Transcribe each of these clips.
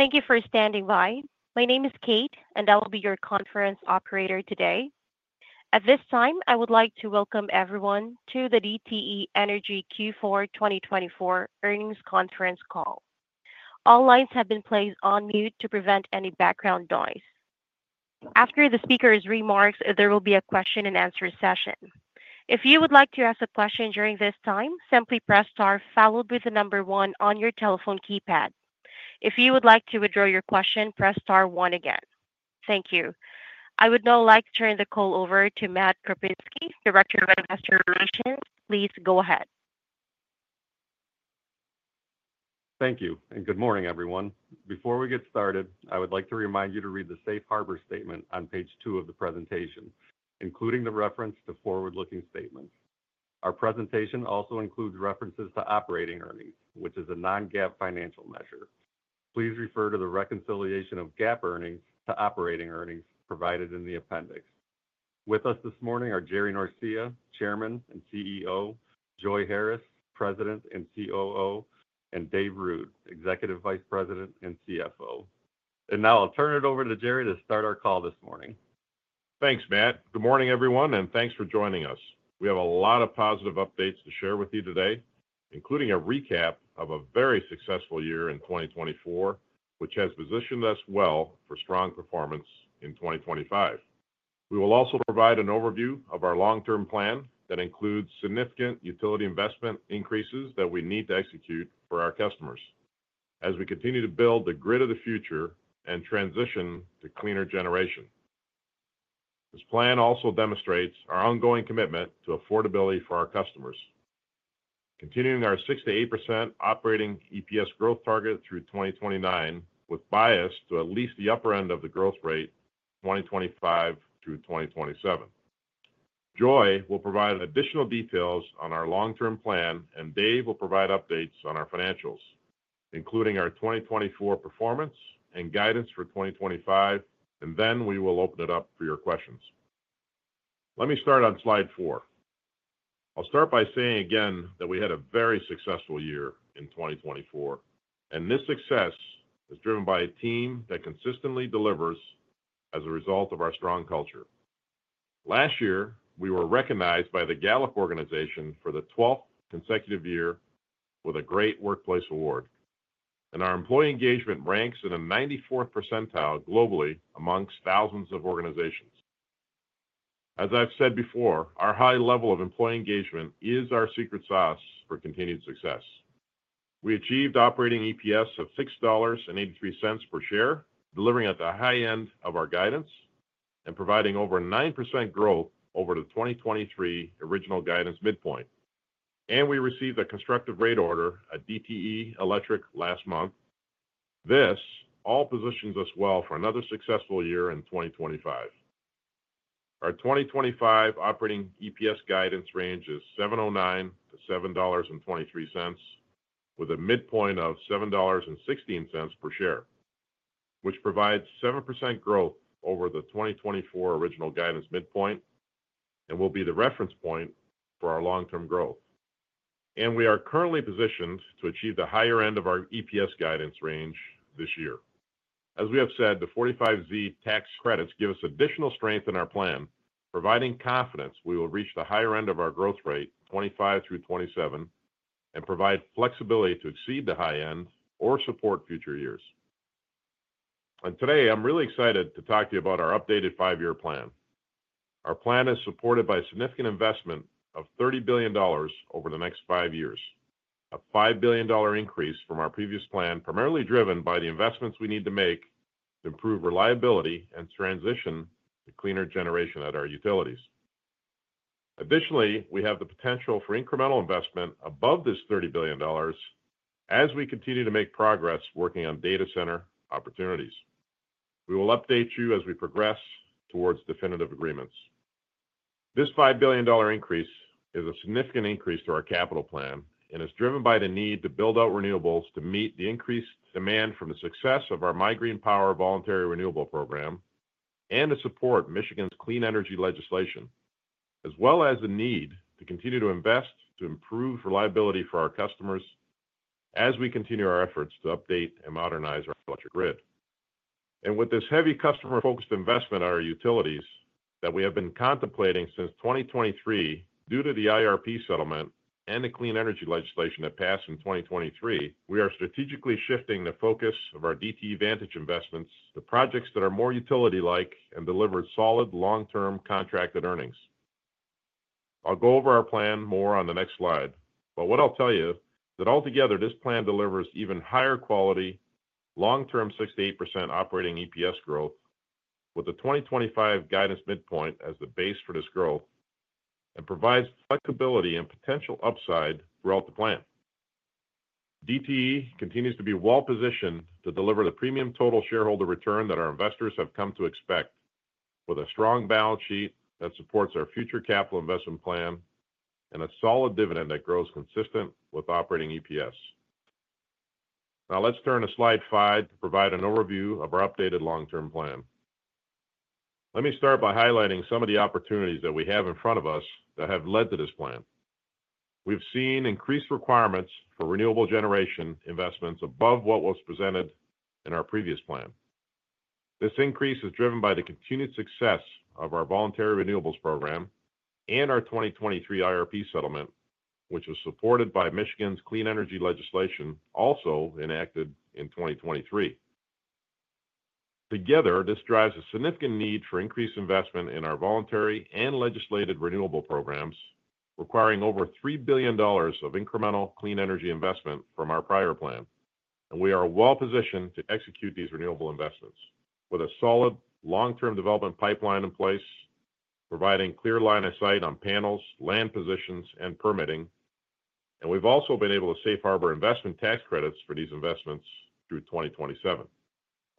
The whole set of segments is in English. Thank you for standing by. My name is Kate, and I will be your conference operator today. At this time, I would like to welcome everyone to the DTE Energy Q4 2024 Earnings Conference Call. All lines have been placed on mute to prevent any background noise. After the speaker's remarks, there will be a question-and-answer session. If you would like to ask a question during this time, simply press star followed by the number one on your telephone keypad. If you would like to withdraw your question, press star one again. Thank you. I would now like to turn the call over to Matt Krupinski, Director of Investor Relations. Please go ahead. Thank you, and good morning, everyone. Before we get started, I would like to remind you to read the Safe Harbor Statement on page two of the presentation, including the reference to forward-looking statements. Our presentation also includes references to operating earnings, which is a non-GAAP financial measure. Please refer to the reconciliation of GAAP earnings to operating earnings provided in the appendix. With us this morning are Jerry Norcia, Chairman and CEO; Joi Harris, President and COO; and Dave Ruud, Executive Vice President and CFO, and now I'll turn it over to Jerry to start our call this morning. Thanks, Matt. Good morning, everyone, and thanks for joining us. We have a lot of positive updates to share with you today, including a recap of a very successful year in 2024, which has positioned us well for strong performance in 2025. We will also provide an overview of our long-term plan that includes significant utility investment increases that we need to execute for our customers as we continue to build the grid of the future and transition to cleaner generation. This plan also demonstrates our ongoing commitment to affordability for our customers, continuing our 6%-8% operating EPS growth target through 2029, with bias to at least the upper end of the growth rate 2025 through 2027. Joi will provide additional details on our long-term plan, and Dave will provide updates on our financials, including our 2024 performance and guidance for 2025, and then we will open it up for your questions. Let me start on Slide four. I'll start by saying again that we had a very successful year in 2024, and this success is driven by a team that consistently delivers as a result of our strong culture. Last year, we were recognized by Gallup for the 12th consecutive year with a Great Workplace Award, and our employee engagement ranks in the 94th percentile globally amongst thousands of organizations. As I've said before, our high level of employee engagement is our secret sauce for continued success. We achieved operating EPS of $6.83 per share, delivering at the high end of our guidance and providing over 9% growth over the 2023 original guidance midpoint, and we received a constructive rate order at DTE Electric last month. This all positions us well for another successful year in 2025. Our 2025 operating EPS guidance range is $7.09-$7.23, with a midpoint of $7.16 per share, which provides 7% growth over the 2024 original guidance midpoint and will be the reference point for our long-term growth. And we are currently positioned to achieve the higher end of our EPS guidance range this year. As we have said, the 45Z tax credits give us additional strength in our plan, providing confidence we will reach the higher end of our growth rate 2025 through 2027 and provide flexibility to exceed the high end or support future years. Today, I'm really excited to talk to you about our updated five-year plan. Our plan is supported by a significant investment of $30 billion over the next five years, a $5 billion increase from our previous plan, primarily driven by the investments we need to make to improve reliability and transition to cleaner generation at our utilities. Additionally, we have the potential for incremental investment above this $30 billion as we continue to make progress working on data center opportunities. We will update you as we progress towards definitive agreements. This $5 billion increase is a significant increase to our capital plan and is driven by the need to build out renewables to meet the increased demand from the success of our MIGreenPower voluntary renewable program and to support Michigan's clean energy legislation, as well as the need to continue to invest to improve reliability for our customers as we continue our efforts to update and modernize our electric grid. And with this heavy customer-focused investment at our utilities that we have been contemplating since 2023 due to the IRP settlement and the clean energy legislation that passed in 2023, we are strategically shifting the focus of our DTE Vantage investments to projects that are more utility-like and deliver solid long-term contracted earnings. I'll go over our plan more on the next slide, but what I'll tell you is that altogether, this plan delivers even higher quality, long-term 6%-8% operating EPS growth, with the 2025 guidance midpoint as the base for this growth, and provides flexibility and potential upside throughout the plan. DTE continues to be well-positioned to deliver the premium total shareholder return that our investors have come to expect, with a strong balance sheet that supports our future capital investment plan and a solid dividend that grows consistent with operating EPS. Now, let's turn to slide five to provide an overview of our updated long-term plan. Let me start by highlighting some of the opportunities that we have in front of us that have led to this plan. We've seen increased requirements for renewable generation investments above what was presented in our previous plan. This increase is driven by the continued success of our Voluntary Renewables program and our 2023 IRP settlement, which was supported by Michigan's clean energy legislation also enacted in 2023. Together, this drives a significant need for increased investment in our voluntary and legislated renewable programs, requiring over $3 billion of incremental clean energy investment from our prior plan. And we are well-positioned to execute these renewable investments with a solid long-term development pipeline in place, providing clear line of sight on panels, land positions, and permitting. And we've also been able to safe harbor investment tax credits for these investments through 2027.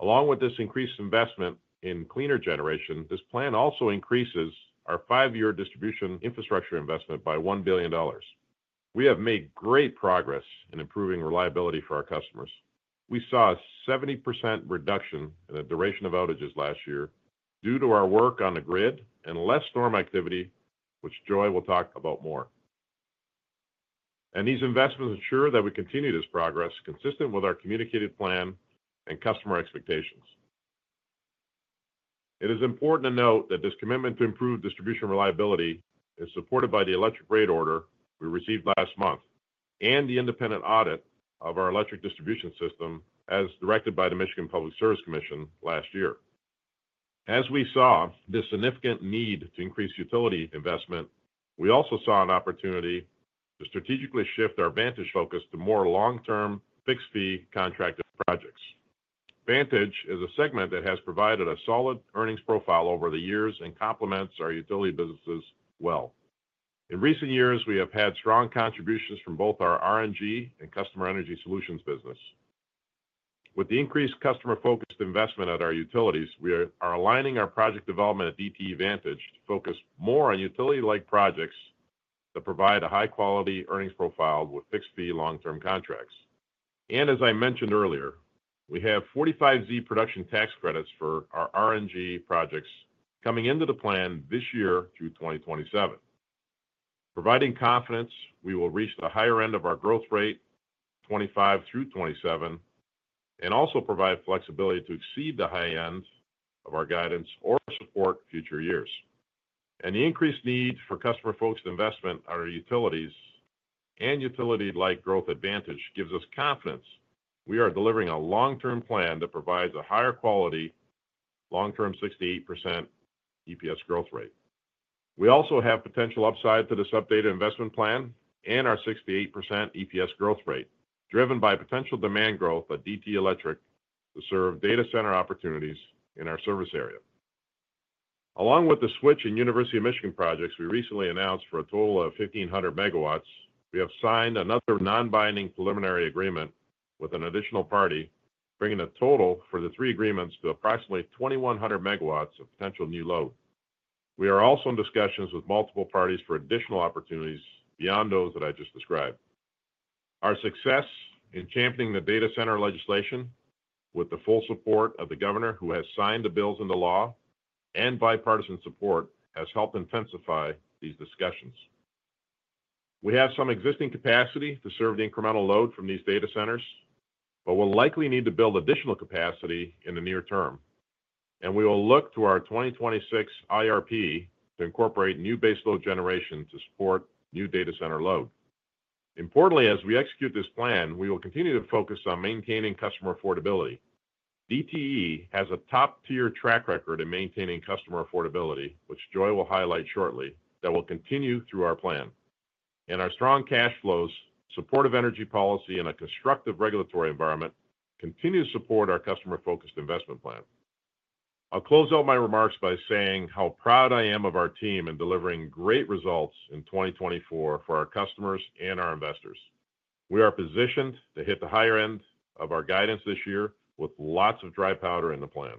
Along with this increased investment in cleaner generation, this plan also increases our five-year distribution infrastructure investment by $1 billion. We have made great progress in improving reliability for our customers. We saw a 70% reduction in the duration of outages last year due to our work on the grid and less storm activity, which Joi will talk about more. And these investments ensure that we continue this progress consistent with our communicated plan and customer expectations. It is important to note that this commitment to improve distribution reliability is supported by the electric rate order we received last month and the independent audit of our electric distribution system as directed by the Michigan Public Service Commission last year. As we saw this significant need to increase utility investment, we also saw an opportunity to strategically shift our Vantage focus to more long-term fixed fee contracted projects. Vantage is a segment that has provided a solid earnings profile over the years and complements our utility businesses well. In recent years, we have had strong contributions from both our RNG and Custom Energy Solutions business. With the increased customer-focused investment at our utilities, we are aligning our project development at DTE Vantage to focus more on utility-like projects that provide a high-quality earnings profile with fixed fee long-term contracts. And as I mentioned earlier, we have 45Z production tax credits for our RNG projects coming into the plan this year through 2027. Providing confidence we will reach the higher end of our growth rate 2025 through 2027 and also provide flexibility to exceed the high end of our guidance or support future years. And the increased need for customer-focused investment at our utilities and utility-like growth at Vantage gives us confidence we are delivering a long-term plan that provides a higher quality long-term 6%-8% EPS growth rate. We also have potential upside to this updated investment plan and our 6%-8% EPS growth rate, driven by potential demand growth at DTE Electric to serve data center opportunities in our service area. Along with the Switch and University of Michigan projects we recently announced for a total of 1,500 megawatts, we have signed another non-binding preliminary agreement with an additional party, bringing the total for the three agreements to approximately 2,100 MW of potential new load. We are also in discussions with multiple parties for additional opportunities beyond those that I just described. Our success in championing the data center legislation, with the full support of the governor who has signed the bills into law and bipartisan support, has helped intensify these discussions. We have some existing capacity to serve the incremental load from these data centers, but we'll likely need to build additional capacity in the near term, and we will look to our 2026 IRP to incorporate new base load generation to support new data center load. Importantly, as we execute this plan, we will continue to focus on maintaining customer affordability. DTE has a top-tier track record in maintaining customer affordability, which Joi will highlight shortly, that will continue through our plan, and our strong cash flows, supportive energy policy, and a constructive regulatory environment continue to support our customer-focused investment plan. I'll close out my remarks by saying how proud I am of our team in delivering great results in 2024 for our customers and our investors. We are positioned to hit the higher end of our guidance this year with lots of dry powder in the plan.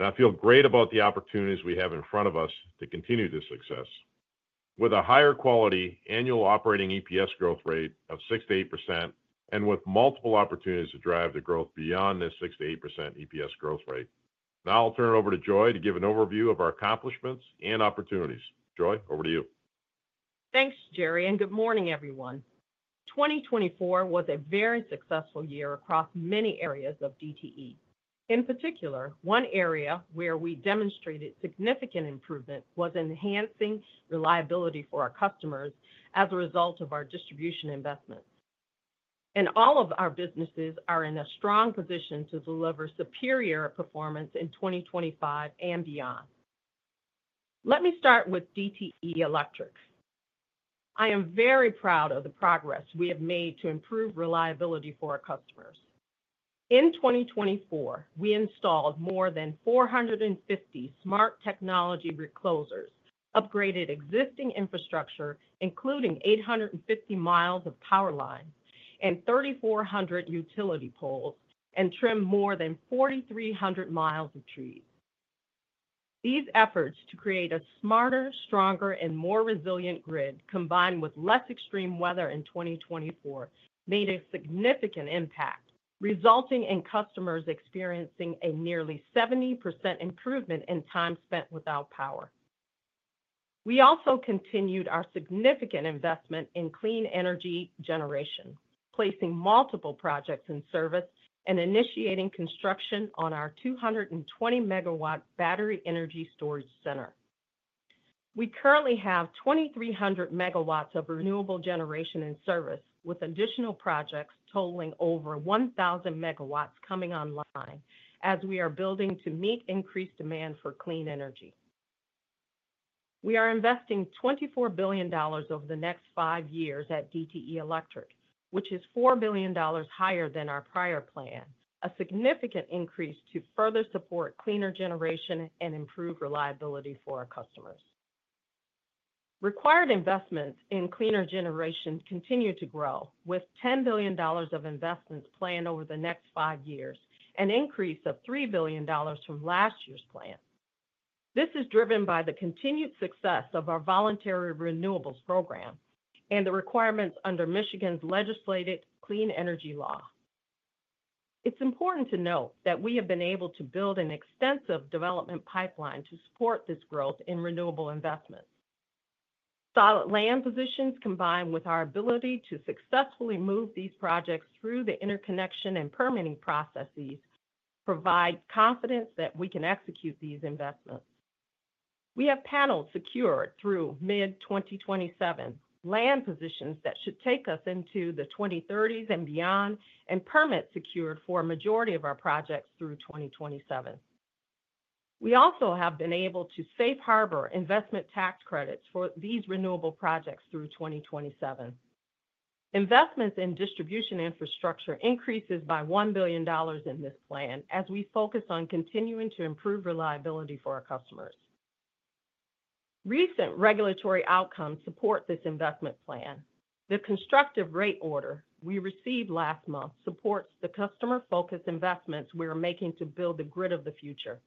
I feel great about the opportunities we have in front of us to continue this success, with a higher quality annual operating EPS growth rate of 6%-8% and with multiple opportunities to drive the growth beyond this 6%-8% EPS growth rate. Now I'll turn it over to Joi to give an overview of our accomplishments and opportunities. Joi, over to you. Thanks, Jerry, and good morning, everyone. 2024 was a very successful year across many areas of DTE. In particular, one area where we demonstrated significant improvement was enhancing reliability for our customers as a result of our distribution investments, and all of our businesses are in a strong position to deliver superior performance in 2025 and beyond. Let me start with DTE Electric. I am very proud of the progress we have made to improve reliability for our customers. In 2024, we installed more than 450 smart technology reclosers, upgraded existing infrastructure, including 850 miles of power lines and 3,400 utility poles, and trimmed more than 4,300 miles of trees. These efforts to create a smarter, stronger, and more resilient grid, combined with less extreme weather in 2024, made a significant impact, resulting in customers experiencing a nearly 70% improvement in time spent without power. We also continued our significant investment in clean energy generation, placing multiple projects in service and initiating construction on our 220 MW battery energy storage center. We currently have 2,300 MW of renewable generation in service, with additional projects totaling over 1,000 MW coming online as we are building to meet increased demand for clean energy. We are investing $24 billion over the next five years at DTE Electric, which is $4 billion higher than our prior plan, a significant increase to further support cleaner generation and improve reliability for our customers. Required investments in cleaner generation continue to grow, with $10 billion of investments planned over the next five years and an increase of $3 billion from last year's plan. This is driven by the continued success of our Voluntary Renewables program and the requirements under Michigan's legislated clean energy law. It's important to note that we have been able to build an extensive development pipeline to support this growth in renewable investments. Solid land positions, combined with our ability to successfully move these projects through the interconnection and permitting processes, provide confidence that we can execute these investments. We have panels secured through mid-2027, land positions that should take us into the 2030s and beyond, and permits secured for a majority of our projects through 2027. We also have been able to safe harbor investment tax credits for these renewable projects through 2027. Investments in distribution infrastructure increased by $1 billion in this plan as we focus on continuing to improve reliability for our customers. Recent regulatory outcomes support this investment plan. The constructive rate order we received last month supports the customer-focused investments we are making to build the grid of the future.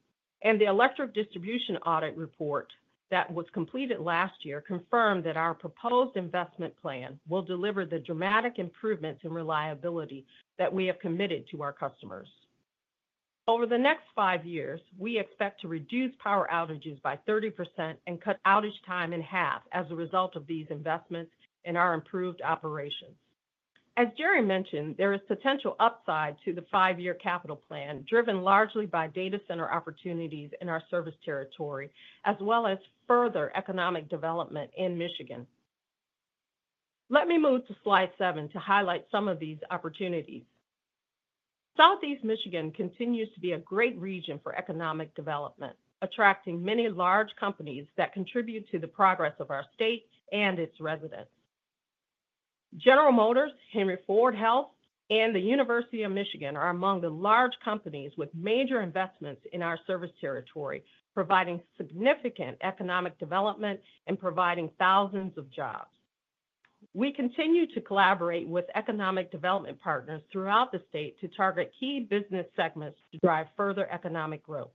The electric distribution audit report that was completed last year confirmed that our proposed investment plan will deliver the dramatic improvements in reliability that we have committed to our customers. Over the next five years, we expect to reduce power outages by 30% and cut outage time in half as a result of these investments and our improved operations. As Jerry mentioned, there is potential upside to the five-year capital plan, driven largely by data center opportunities in our service territory, as well as further economic development in Michigan. Let me move to slide seven to highlight some of these opportunities. Southeast Michigan continues to be a great region for economic development, attracting many large companies that contribute to the progress of our state and its residents. General Motors, Henry Ford Health, and the University of Michigan are among the large companies with major investments in our service territory, providing significant economic development and providing thousands of jobs. We continue to collaborate with economic development partners throughout the state to target key business segments to drive further economic growth.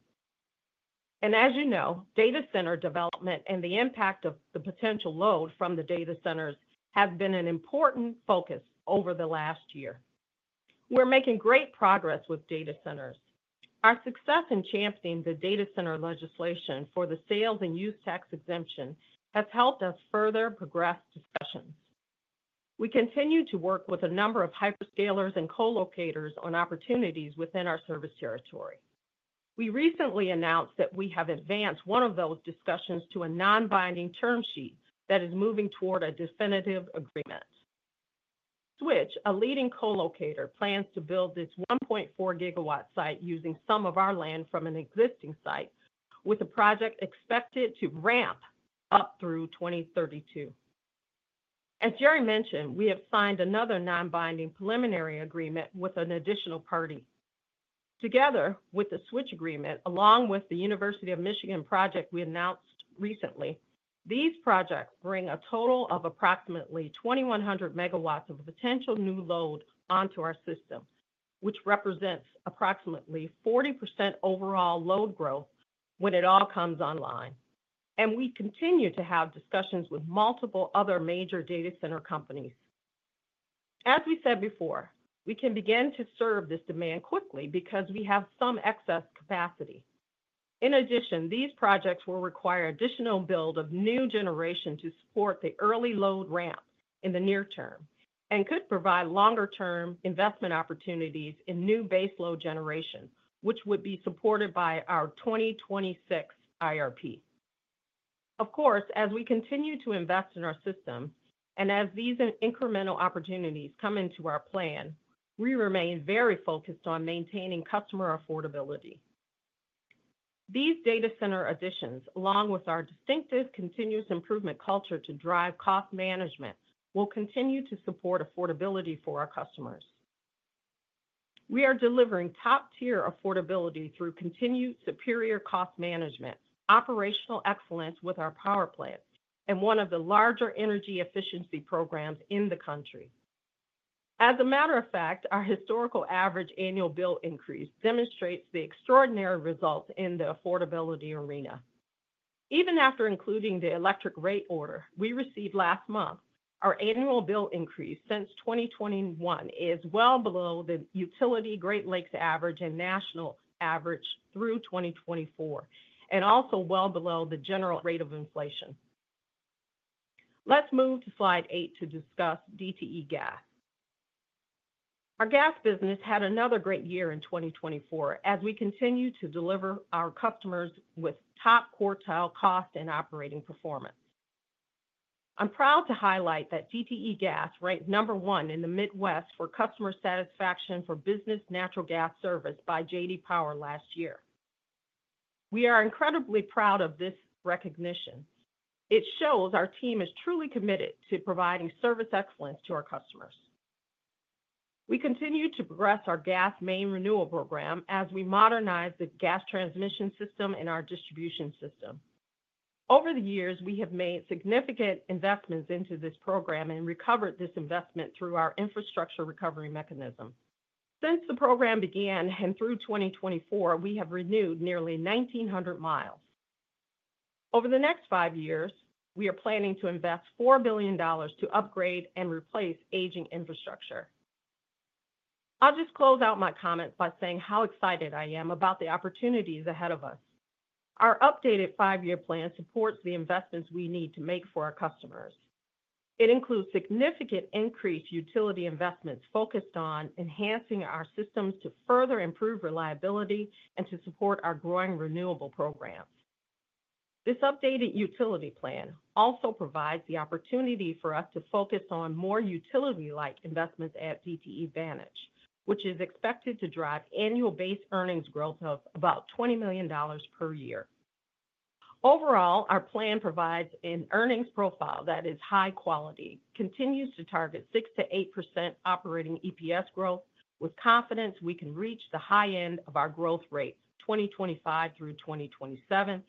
And as you know, data center development and the impact of the potential load from the data centers have been an important focus over the last year. We're making great progress with data centers. Our success in championing the data center legislation for the sales and use tax exemption has helped us further progress discussions. We continue to work with a number of hyperscalers and co-locators on opportunities within our service territory. We recently announced that we have advanced one of those discussions to a non-binding term sheet that is moving toward a definitive agreement. Switch, a leading co-locator, plans to build this 1.4 GW site using some of our land from an existing site, with the project expected to ramp up through 2032. As Jerry mentioned, we have signed another non-binding preliminary agreement with an additional party. Together with the Switch agreement, along with the University of Michigan project we announced recently, these projects bring a total of approximately 2,100 MW of potential new load onto our system, which represents approximately 40% overall load growth when it all comes online. And we continue to have discussions with multiple other major data center companies. As we said before, we can begin to serve this demand quickly because we have some excess capacity. In addition, these projects will require additional build of new generation to support the early load ramp in the near term and could provide longer-term investment opportunities in new base load generation, which would be supported by our 2026 IRP. Of course, as we continue to invest in our system and as these incremental opportunities come into our plan, we remain very focused on maintaining customer affordability. These data center additions, along with our distinctive continuous improvement culture to drive cost management, will continue to support affordability for our customers. We are delivering top-tier affordability through continued superior cost management, operational excellence with our power plant, and one of the larger energy efficiency programs in the country. As a matter of fact, our historical average annual bill increase demonstrates the extraordinary results in the affordability arena. Even after including the electric rate order we received last month, our annual bill increase since 2021 is well below the utility Great Lakes average and national average through 2024, and also well below the general rate of inflation. Let's move to slide eight to discuss DTE Gas. Our gas business had another great year in 2024 as we continue to deliver our customers with top quartile cost and operating performance. I'm proud to highlight that DTE Gas ranked number one in the Midwest for customer satisfaction for business natural gas service by J.D. Power last year. We are incredibly proud of this recognition. It shows our team is truly committed to providing service excellence to our customers. We continue to progress our gas main renewal program as we modernize the gas transmission system and our distribution system. Over the years, we have made significant investments into this program and recovered this investment through our infrastructure recovery mechanism. Since the program began and through 2024, we have renewed nearly 1,900 miles. Over the next five years, we are planning to invest $4 billion to upgrade and replace aging infrastructure. I'll just close out my comments by saying how excited I am about the opportunities ahead of us. Our updated five-year plan supports the investments we need to make for our customers. It includes significant increased utility investments focused on enhancing our systems to further improve reliability and to support our growing renewable programs. This updated utility plan also provides the opportunity for us to focus on more utility-like investments at DTE Vantage, which is expected to drive annual base earnings growth of about $20 million per year. Overall, our plan provides an earnings profile that is high quality, continues to target 6%-8% operating EPS growth, with confidence we can reach the high end of our growth rates 2025 through 2027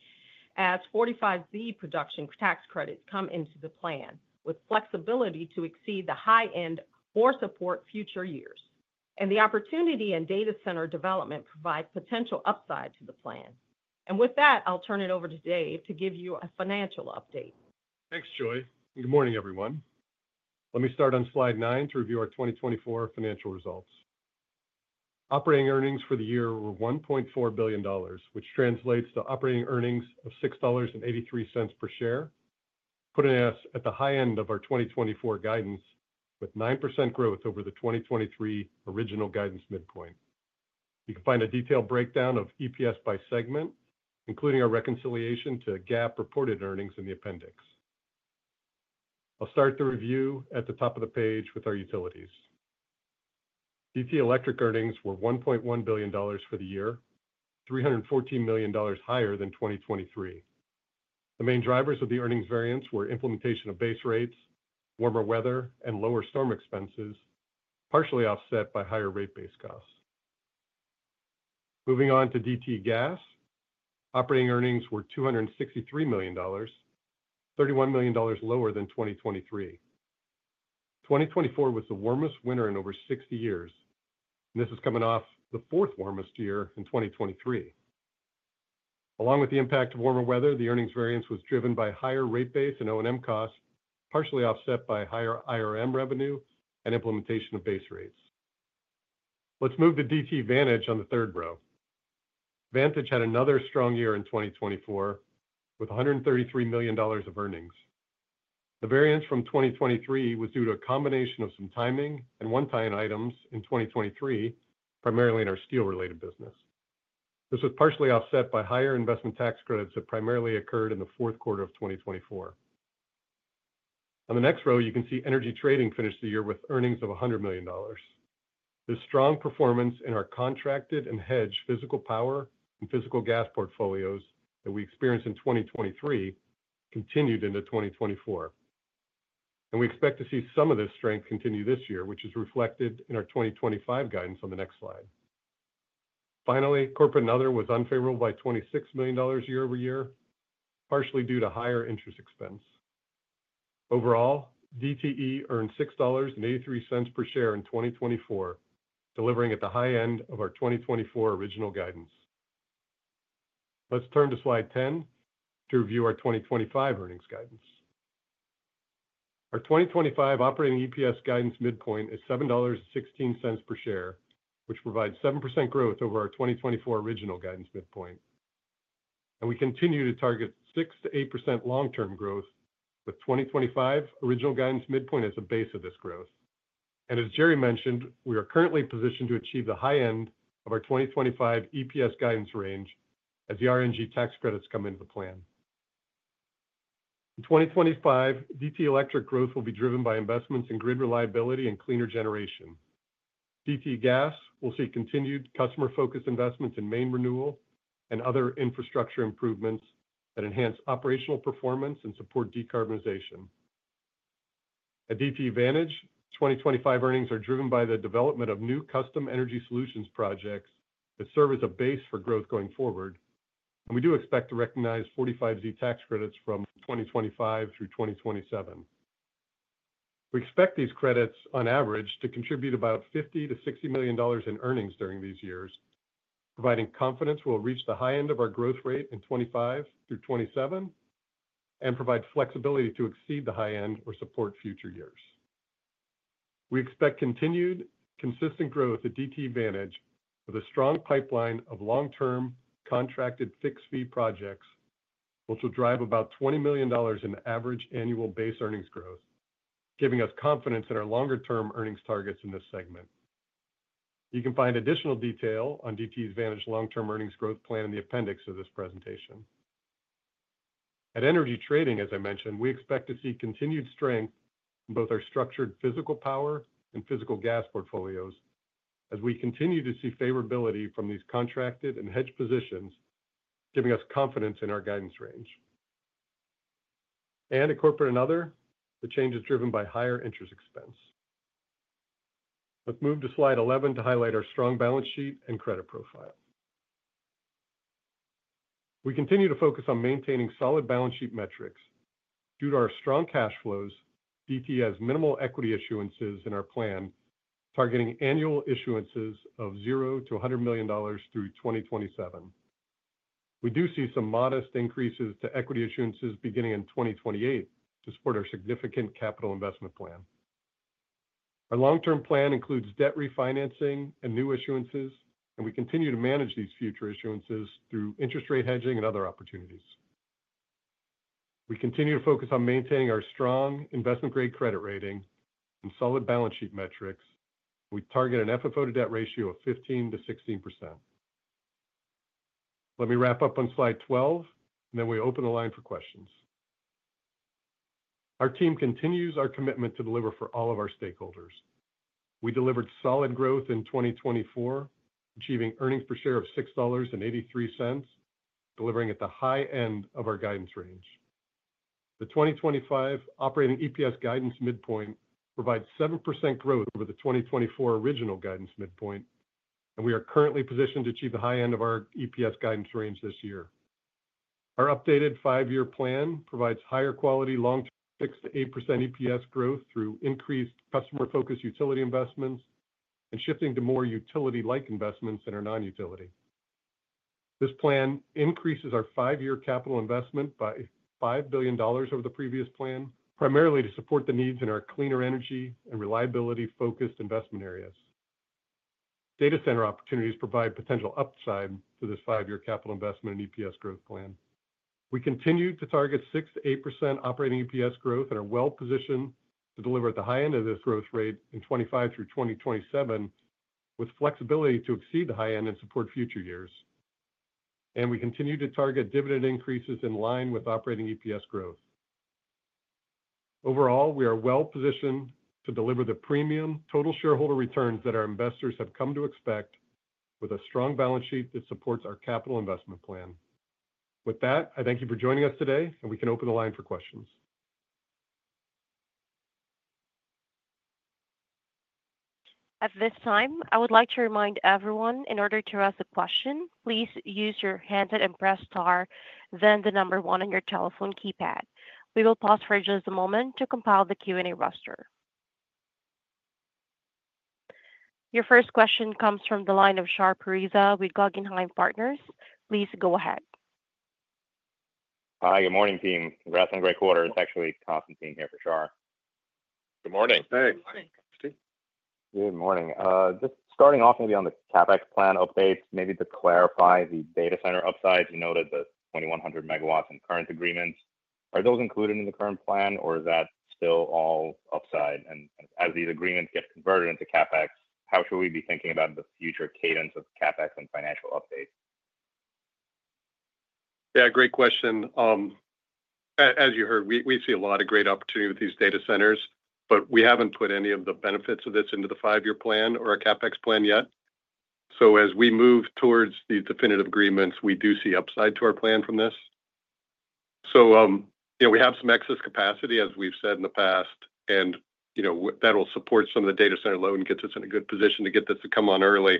as 45Z production tax credits come into the plan, with flexibility to exceed the high end or support future years. The opportunity in data center development provides potential upside to the plan. With that, I'll turn it over to Dave to give you a financial update. Thanks, Joi. And good morning, everyone. Let me start on slide nine to review our 2024 financial results. Operating earnings for the year were $1.4 billion, which translates to operating earnings of $6.83 per share, putting us at the high end of our 2024 guidance, with 9% growth over the 2023 original guidance midpoint. You can find a detailed breakdown of EPS by segment, including our reconciliation to GAAP reported earnings in the appendix. I'll start the review at the top of the page with our utilities. DTE Electric earnings were $1.1 billion for the year, $314 million higher than 2023. The main drivers of the earnings variance were implementation of base rates, warmer weather, and lower storm expenses, partially offset by higher rate-based costs. Moving on to DTE Gas, operating earnings were $263 million, $31 million lower than 2023. 2024 was the warmest winter in over 60 years, and this is coming off the fourth warmest year in 2023. Along with the impact of warmer weather, the earnings variance was driven by higher rate base and O&M costs, partially offset by higher IRM revenue and implementation of base rates. Let's move to DTE Vantage on the third row. Vantage had another strong year in 2024 with $133 million of earnings. The variance from 2023 was due to a combination of some timing and one-time items in 2023, primarily in our steel-related business. This was partially offset by higher investment tax credits that primarily occurred in the fourth quarter of 2024. On the next row, you can see Energy Trading finished the year with earnings of $100 million. This strong performance in our contracted and hedged physical power and physical gas portfolios that we experienced in 2023 continued into 2024. And we expect to see some of this strength continue this year, which is reflected in our 2025 guidance on the next slide. Finally, Corporate and Other was unfavorable by $26 million year-over-year, partially due to higher interest expense. Overall, DTE earned $6.83 per share in 2024, delivering at the high end of our 2024 original guidance. Let's turn to Slide 10 to review our 2025 earnings guidance. Our 2025 operating EPS guidance midpoint is $7.16 per share, which provides 7% growth over our 2024 original guidance midpoint. And we continue to target 6%-8% long-term growth, with 2025 original guidance midpoint as a base of this growth. And as Jerry mentioned, we are currently positioned to achieve the high end of our 2025 EPS guidance range as the RNG tax credits come into the plan. In 2025, DTE Electric growth will be driven by investments in grid reliability and cleaner generation. DTE Gas will see continued customer-focused investments in main renewal and other infrastructure improvements that enhance operational performance and support decarbonization. At DTE Vantage, 2025 earnings are driven by the development of new Custom Energy Solutions projects that serve as a base for growth going forward. We do expect to recognize 45Z tax credits from 2025 through 2027. We expect these credits, on average, to contribute about $50 million-$60 million in earnings during these years, providing confidence we'll reach the high end of our growth rate in 2025 through 2027, and provide flexibility to exceed the high end or support future years. We expect continued consistent growth at DTE Vantage with a strong pipeline of long-term contracted fixed-fee projects, which will drive about $20 million in average annual base earnings growth, giving us confidence in our longer-term earnings targets in this segment. You can find additional detail on DTE's Vantage long-term earnings growth plan in the appendix of this presentation. At Energy Trading, as I mentioned, we expect to see continued strength in both our structured physical power and physical gas portfolios as we continue to see favorability from these contracted and hedged positions, giving us confidence in our guidance range. And at corporate and other, the change is driven by higher interest expense. Let's move to Slide 11 to highlight our strong balance sheet and credit profile. We continue to focus on maintaining solid balance sheet metrics. Due to our strong cash flows, DTE has minimal equity issuances in our plan, targeting annual issuances of zero to $100 million through 2027. We do see some modest increases to equity issuances beginning in 2028 to support our significant capital investment plan. Our long-term plan includes debt refinancing and new issuances, and we continue to manage these future issuances through interest rate hedging and other opportunities. We continue to focus on maintaining our strong investment-grade credit rating and solid balance sheet metrics. We target an FFO-to-debt ratio of 15%-16%. Let me wrap up on Slide 12, and then we open the line for questions. Our team continues our commitment to deliver for all of our stakeholders. We delivered solid growth in 2024, achieving earnings per share of $6.83, delivering at the high end of our guidance range. The 2025 operating EPS guidance midpoint provides 7% growth over the 2024 original guidance midpoint, and we are currently positioned to achieve the high end of our EPS guidance range this year. Our updated five-year plan provides higher quality long-term fixed to 8% EPS growth through increased customer-focused utility investments and shifting to more utility-like investments than our non-utility. This plan increases our five-year capital investment by $5 billion over the previous plan, primarily to support the needs in our cleaner energy and reliability-focused investment areas. Data center opportunities provide potential upside to this five-year capital investment and EPS growth plan. We continue to target 6%-8% operating EPS growth and are well positioned to deliver at the high end of this growth rate in 2025 through 2027, with flexibility to exceed the high end and support future years. And we continue to target dividend increases in line with operating EPS growth. Overall, we are well positioned to deliver the premium total shareholder returns that our investors have come to expect, with a strong balance sheet that supports our capital investment plan. With that, I thank you for joining us today, and we can open the line for questions. At this time, I would like to remind everyone, in order to ask a question, please use your handset and press star, then the number one on your telephone keypad. We will pause for just a moment to compile the Q&A roster. Your first question comes from the line of Shar Pourreza with Guggenheim Partners. Please go ahead. Hi, good morning, team. Congrats on the great quarter. It's actually Constantine here for Shar. Good morning. Thanks. Good morning. Just starting off maybe on the CapEx plan updates, maybe to clarify the data center upsides. You noted the 2,100 MW in current agreements. Are those included in the current plan, or is that still all upside? And as these agreements get converted into CapEx, how should we be thinking about the future cadence of CapEx and financial updates? Yeah, great question. As you heard, we see a lot of great opportunity with these data centers, but we haven't put any of the benefits of this into the five-year plan or our CapEx plan yet. So as we move towards these definitive agreements, we do see upside to our plan from this. So we have some excess capacity, as we've said in the past, and that will support some of the data center load and get us in a good position to get this to come on early.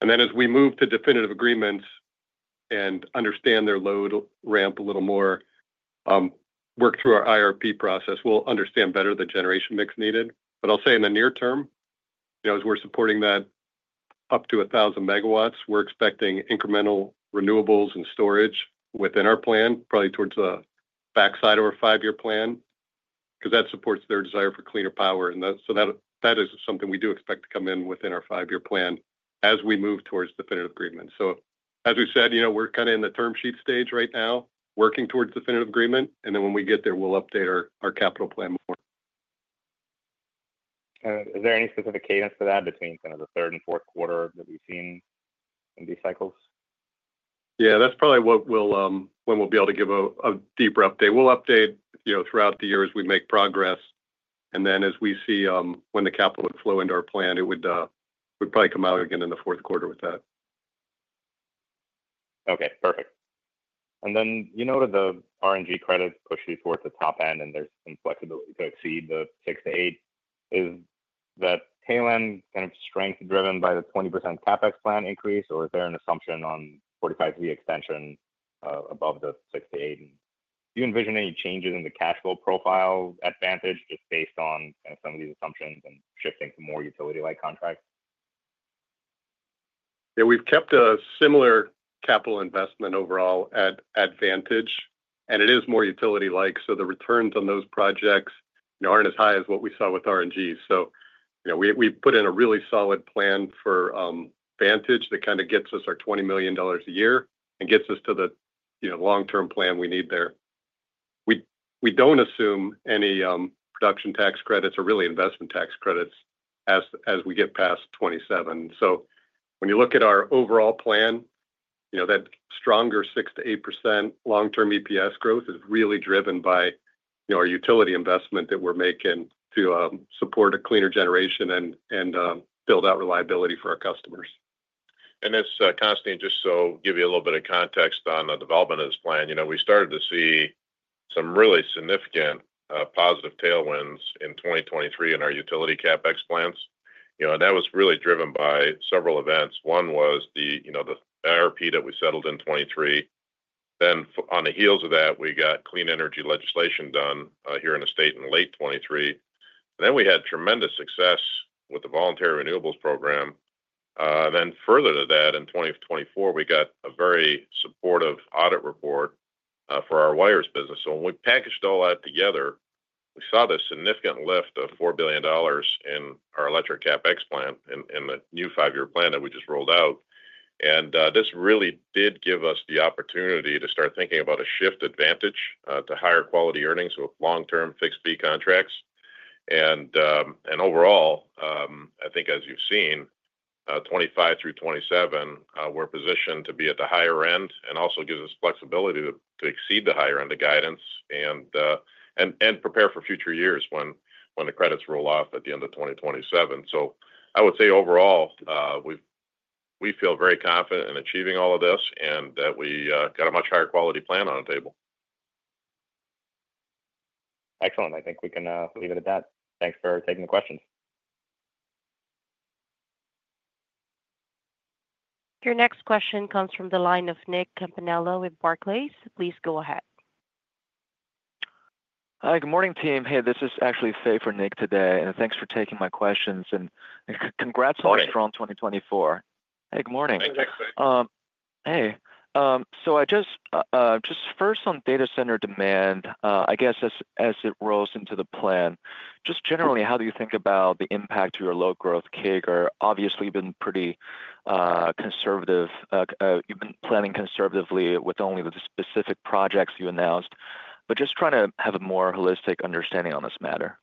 And then as we move to definitive agreements and understand their load ramp a little more, work through our IRP process, we'll understand better the generation mix needed. But I'll say in the near term, as we're supporting that up to 1,000 MW, we're expecting incremental renewables and storage within our plan, probably towards the backside of our five-year plan, because that supports their desire for cleaner power. And so that is something we do expect to come in within our five-year plan as we move towards definitive agreements. So as we said, we're kind of in the term sheet stage right now, working towards definitive agreement. And then when we get there, we'll update our capital plan more. Is there any specific cadence for that between kind of the third and fourth quarter that we've seen in these cycles? Yeah, that's probably when we'll be able to give a deeper update. We'll update throughout the year as we make progress, and then as we see when the capital would flow into our plan, it would probably come out again in the fourth quarter with that. Okay, perfect. And then you noted the RNG credit pushes towards the top end, and there's some flexibility to exceed the 6%-8%. Is that tail end kind of strength driven by the 20% CapEx plan increase, or is there an assumption on 45Z extension above the 6%-8%? Do you envision any changes in the cash flow profile at Vantage just based on kind of some of these assumptions and shifting to more utility-like contracts? Yeah, we've kept a similar capital investment overall at Vantage, and it is more utility-like. So the returns on those projects aren't as high as what we saw with RNG. So we've put in a really solid plan for Vantage that kind of gets us our $20 million a year and gets us to the long-term plan we need there. We don't assume any production tax credits or really investment tax credits as we get past 2027. So when you look at our overall plan, that stronger 6%-8% long-term EPS growth is really driven by our utility investment that we're making to support a cleaner generation and build out reliability for our customers. This, Constantine, just so I'll give you a little bit of context on the development of this plan. We started to see some really significant positive tailwinds in 2023 in our utility CapEx plans. That was really driven by several events. One was the IRP that we settled in 2023. Then on the heels of that, we got clean energy legislation done here in the state in late 2023. Then we had tremendous success with the voluntary renewables program. Then further to that, in 2024, we got a very supportive audit report for our wires business. So when we packaged all that together, we saw this significant lift of $4 billion in our electric CapEx plan in the new five-year plan that we just rolled out. And this really did give us the opportunity to start thinking about a shift advantage to higher quality earnings with long-term fixed-fee contracts. And overall, I think as you've seen, 2025 through 2027, we're positioned to be at the higher end and also gives us flexibility to exceed the higher end of guidance and prepare for future years when the credits roll off at the end of 2027. So I would say overall, we feel very confident in achieving all of this and that we got a much higher quality plan on the table. Excellent. I think we can leave it at that. Thanks for taking the questions. Your next question comes from the line of Nick Campanella with Barclays. Please go ahead. Hi, good morning, team. Hey, this is actually Fei for Nick today, and thanks for taking my questions, and congrats on a strong 2024. Hey, good morning. Hey, Fei. Hey. So just first on data center demand, I guess as it rolls into the plan, just generally, how do you think about the impact to your low-growth CAGR? Obviously, you've been pretty conservative. You've been planning conservatively with only the specific projects you announced. But just trying to have a more holistic understanding on this matter.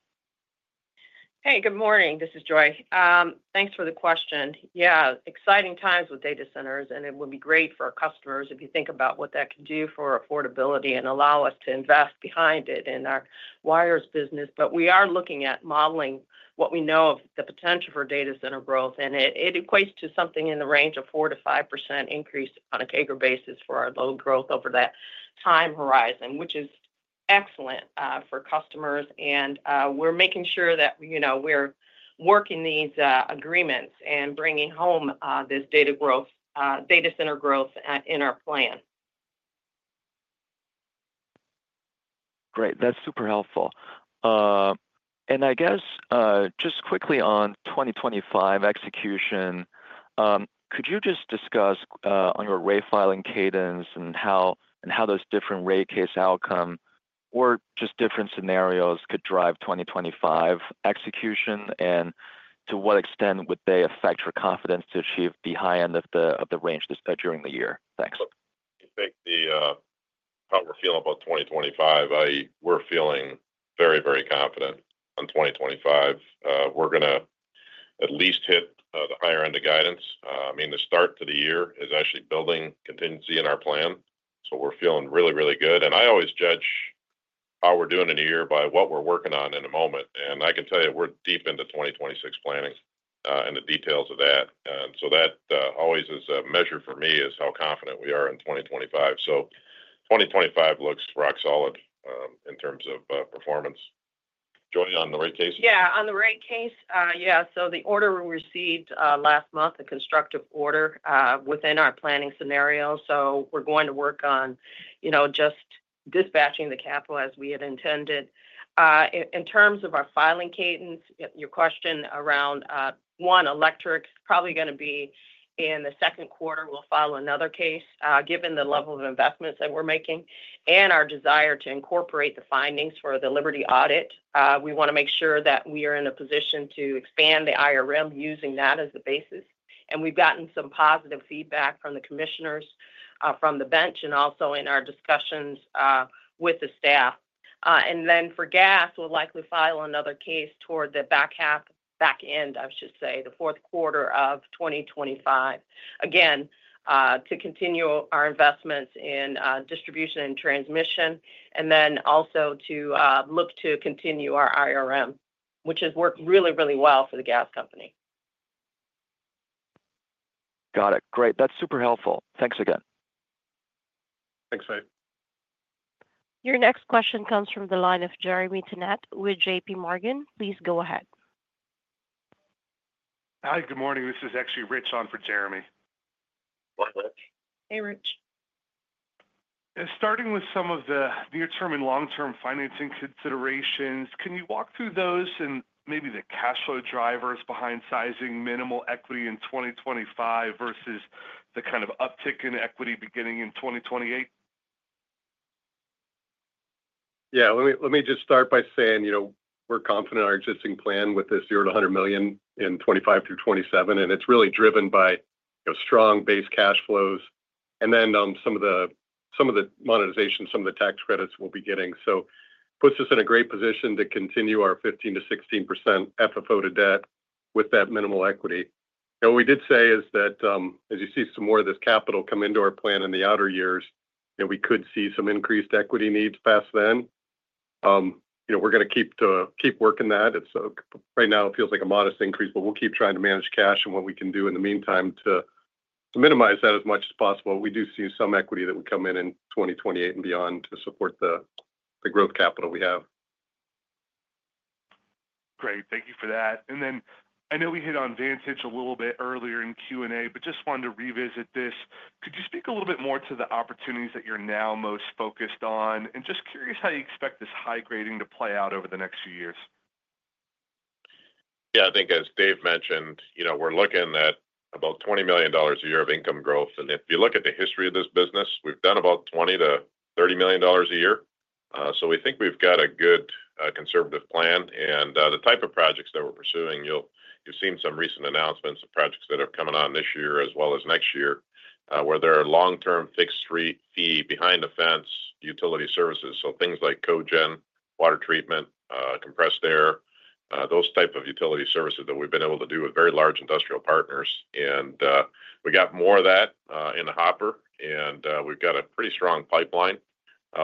Hey, good morning. This is Joi. Thanks for the question. Yeah, exciting times with data centers, and it would be great for our customers if you think about what that can do for affordability and allow us to invest behind it in our wires business, but we are looking at modeling what we know of the potential for data center growth. And it equates to something in the range of 4%-5% increase on a CAGR basis for our low growth over that time horizon, which is excellent for customers, and we're making sure that we're working these agreements and bringing home this data growth, data center growth in our plan. Great. That's super helpful. And I guess just quickly on 2025 execution, could you just discuss on your rate filing cadence and how those different rate case outcomes or just different scenarios could drive 2025 execution? And to what extent would they affect your confidence to achieve the high end of the range during the year? Thanks. I think how we're feeling about 2025, we're feeling very, very confident on 2025. We're going to at least hit the higher end of guidance. I mean, the start to the year is actually building contingency in our plan. So we're feeling really, really good. And I always judge how we're doing in a year by what we're working on in a moment. And I can tell you we're deep into 2026 planning and the details of that. And so that always is a measure for me is how confident we are in 2025. So 2025 looks rock solid in terms of performance. Joi, on the rate case? Yeah, on the rate case, yeah. So the order we received last month, a constructive order within our planning scenario. So we're going to work on just dispatching the capital as we had intended. In terms of our filing cadence, your question around our electric is probably going to be in the second quarter. We'll file another case given the level of investments that we're making and our desire to incorporate the findings for the Liberty audit. We want to make sure that we are in a position to expand the IRM using that as the basis. And we've gotten some positive feedback from the commissioners, from the bench, and also in our discussions with the staff. And then for gas, we'll likely file another case toward the back half, back end, I should say, the fourth quarter of 2025, again, to continue our investments in distribution and transmission, and then also to look to continue our IRM, which has worked really, really well for the gas company. Got it. Great. That's super helpful. Thanks again. Thanks, Fay. Your next question comes from the line of Jeremy Tonet with J.P. Morgan. Please go ahead. Hi, good morning. This is actually Rich on for Jeremy. Hi, Rich. Hey, Rich. Starting with some of the near-term and long-term financing considerations, can you walk through those and maybe the cash flow drivers behind sizing minimal equity in 2025 versus the kind of uptick in equity beginning in 2028? Yeah, let me just start by saying we're confident in our existing plan with this zero to $100 million in 2025 through 2027. And it's really driven by strong base cash flows and then some of the monetization, some of the tax credits we'll be getting. So it puts us in a great position to continue our 15%-16% FFO to debt with that minimal equity. What we did say is that as you see some more of this capital come into our plan in the outer years, we could see some increased equity needs past then. We're going to keep working that. Right now, it feels like a modest increase, but we'll keep trying to manage cash and what we can do in the meantime to minimize that as much as possible. We do see some equity that would come in in 2028 and beyond to support the growth capital we have. Great. Thank you for that. And then I know we hit on Vantage a little bit earlier in Q&A, but just wanted to revisit this. Could you speak a little bit more to the opportunities that you're now most focused on? And just curious how you expect this high grading to play out over the next few years? Yeah, I think as Dave mentioned, we're looking at about $20 million a year of income growth. And if you look at the history of this business, we've done about $20-$30 million a year. So we think we've got a good conservative plan. And the type of projects that we're pursuing, you've seen some recent announcements of projects that are coming on this year as well as next year where there are long-term fixed-rate fee behind-the-fence utility services. So things like cogen, water treatment, compressed air, those types of utility services that we've been able to do with very large industrial partners. And we got more of that in the hopper. And we've got a pretty strong pipeline.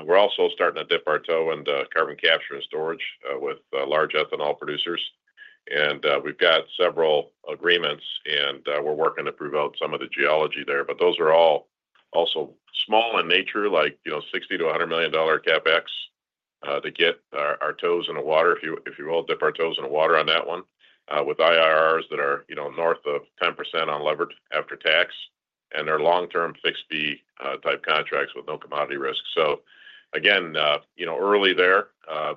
We're also starting to dip our toe into carbon capture and storage with large ethanol producers. And we've got several agreements, and we're working to prove out some of the geology there. But those are all also small in nature, like $60-$100 million CapEx to get our toes in the water, if you will, dip our toes in the water on that one, with IRRs that are north of 10% on levered after tax, and they're long-term fixed-fee type contracts with no commodity risk. So again, early there,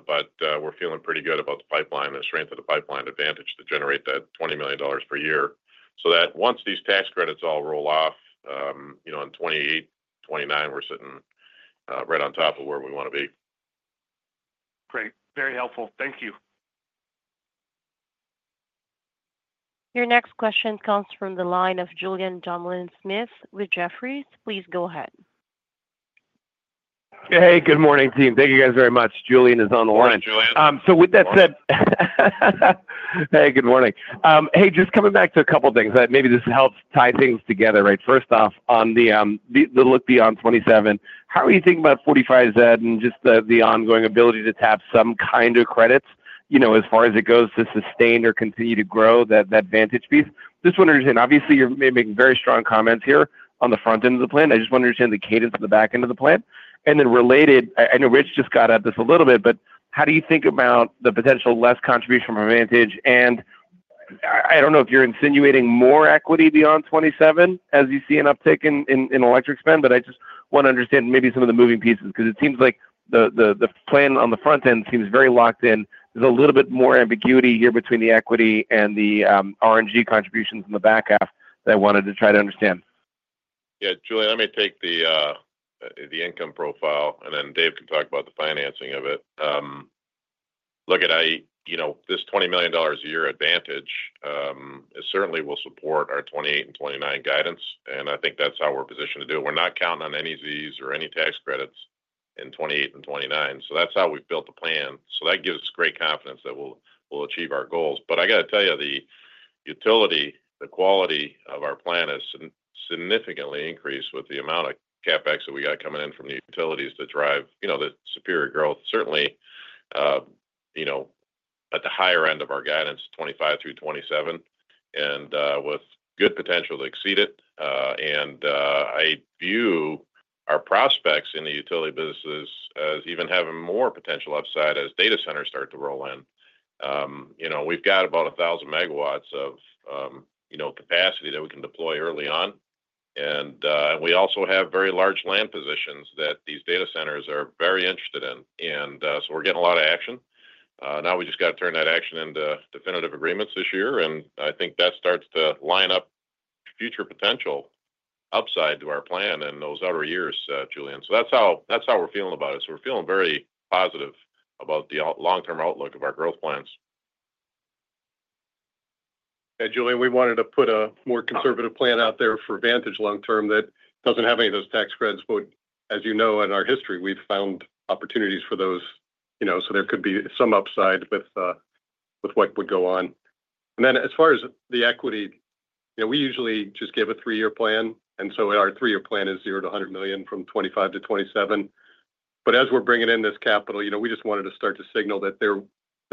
but we're feeling pretty good about the pipeline and the strength of the pipeline advantage to generate that $20 million per year so that once these tax credits all roll off in 2028, 2029, we're sitting right on top of where we want to be. Great. Very helpful. Thank you. Your next question comes from the line of Julien Dumoulin-Smith with Jefferies. Please go ahead. Hey, good morning, team. Thank you guys very much. Julien is on the line. Thanks, Julien. So with that said. Hey, good morning. Hey, just coming back to a couple of things. Maybe this helps tie things together, right? First off, on the look beyond 2027, how are you thinking about 45Z and just the ongoing ability to tap some kind of credits as far as it goes to sustain or continue to grow that Vantage piece? Just want to understand. Obviously, you're making very strong comments here on the front end of the plan. I just want to understand the cadence of the back end of the plan. And then related, I know Rich just got at this a little bit, but how do you think about the potential less contribution from Vantage? I don't know if you're insinuating more equity beyond 2027 as you see an uptick in electric spend, but I just want to understand maybe some of the moving pieces because it seems like the plan on the front end seems very locked in. There's a little bit more ambiguity here between the equity and the RNG contributions in the back half that I wanted to try to understand. Yeah, Julien, let me take the income profile, and then Dave can talk about the financing of it. Look at this $20 million a year advantage certainly will support our 2028 and 2029 guidance. I think that's how we're positioned to do it. We're not counting on any Zs or any tax credits in 2028 and 2029. That's how we've built the plan. That gives us great confidence that we'll achieve our goals. But I got to tell you, the utility, the quality of our plan has significantly increased with the amount of CapEx that we got coming in from the utilities to drive the superior growth, certainly at the higher end of our guidance, 2025 through 2027, and with good potential to exceed it. And I view our prospects in the utility businesses as even having more potential upside as data centers start to roll in. We've got about 1,000 megawatts of capacity that we can deploy early on. And we also have very large land positions that these data centers are very interested in. And so we're getting a lot of action. Now we just got to turn that action into definitive agreements this year. And I think that starts to line up future potential upside to our plan in those outer years, Julien. So that's how we're feeling about it. We're feeling very positive about the long-term outlook of our growth plans. Hey, Julien, we wanted to put a more conservative plan out there for Vantage long-term that doesn't have any of those tax credits. But as you know, in our history, we've found opportunities for those. So there could be some upside with what would go on. And then as far as the equity, we usually just give a three-year plan. And so our three-year plan is zero to $100 million from 2025 to 2027. But as we're bringing in this capital, we just wanted to start to signal that there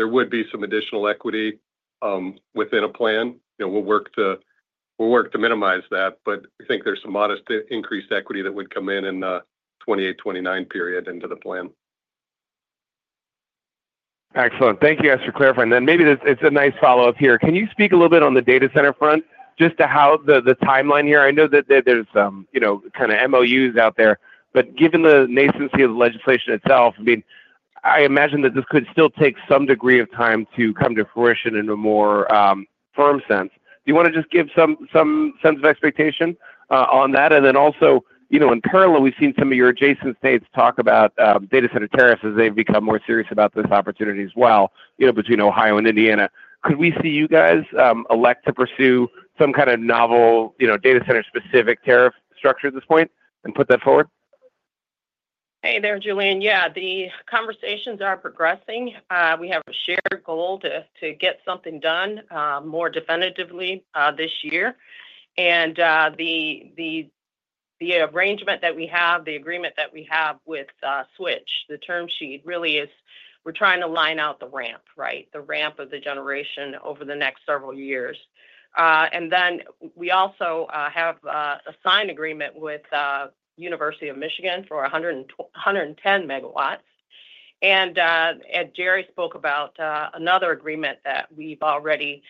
would be some additional equity within a plan. We'll work to minimize that. But I think there's some modest increased equity that would come in in the 2028, 2029 period into the plan. Excellent. Thank you, guys, for clarifying. Then maybe it's a nice follow-up here. Can you speak a little bit on the data center front, just to how the timeline here? I know that there's kind of MOUs out there. But given the nascency of the legislation itself, I mean, I imagine that this could still take some degree of time to come to fruition in a more firm sense. Do you want to just give some sense of expectation on that? And then also, in parallel, we've seen some of your adjacent states talk about data center tariffs as they've become more serious about this opportunity as well between Ohio and Indiana. Could we see you guys elect to pursue some kind of novel data center-specific tariff structure at this point and put that forward? Hey there, Julien. Yeah, the conversations are progressing. We have a shared goal to get something done more definitively this year. And the arrangement that we have, the agreement that we have with Switch, the term sheet really is we're trying to line out the ramp, right? The ramp of the generation over the next several years. And then we also have a signed agreement with the University of Michigan for 110 MW. And Jerry spoke about another agreement that we've already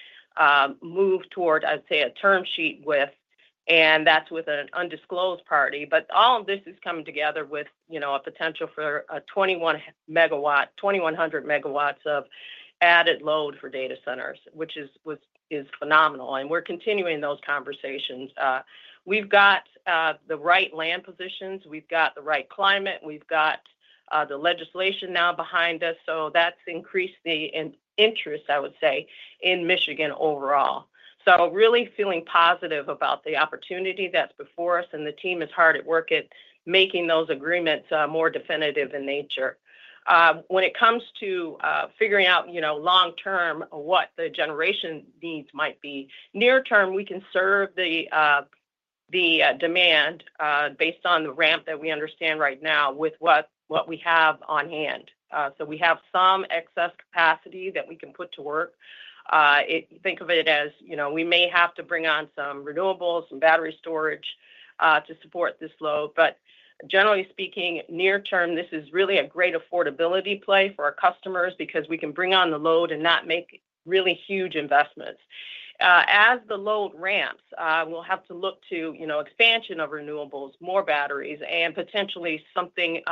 moved toward, I'd say, a term sheet with, and that's with an undisclosed party. But all of this is coming together with a potential for 2,100 MW of added load for data centers, which is phenomenal. And we're continuing those conversations. We've got the right land positions. We've got the right climate. We've got the legislation now behind us. So that's increased the interest, I would say, in Michigan overall. So really feeling positive about the opportunity that's before us. And the team is hard at work at making those agreements more definitive in nature. When it comes to figuring out long-term what the generation needs might be, near-term, we can serve the demand based on the ramp that we understand right now with what we have on hand. So we have some excess capacity that we can put to work. Think of it as we may have to bring on some renewables, some battery storage to support this load. But generally speaking, near-term, this is really a great affordability play for our customers because we can bring on the load and not make really huge investments. As the load ramps, we'll have to look to expansion of renewables, more batteries, and potentially something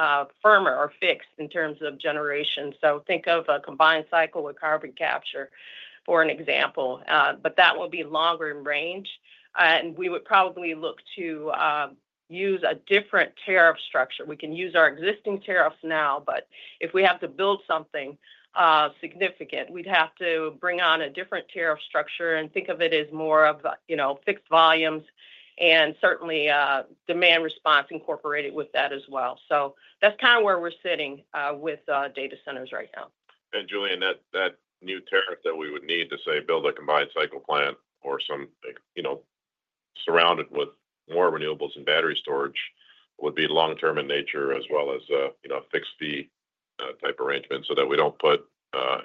firmer or fixed in terms of generation. So think of a combined cycle with carbon capture, for example. But that will be longer in range. And we would probably look to use a different tariff structure. We can use our existing tariffs now, but if we have to build something significant, we'd have to bring on a different tariff structure and think of it as more of fixed volumes and certainly demand response incorporated with that as well. So that's kind of where we're sitting with data centers right now. Julien, that new tariff that we would need to, say, build a combined cycle plant or some surrounded with more renewables and battery storage would be long-term in nature as well as a fixed-fee type arrangement so that we don't put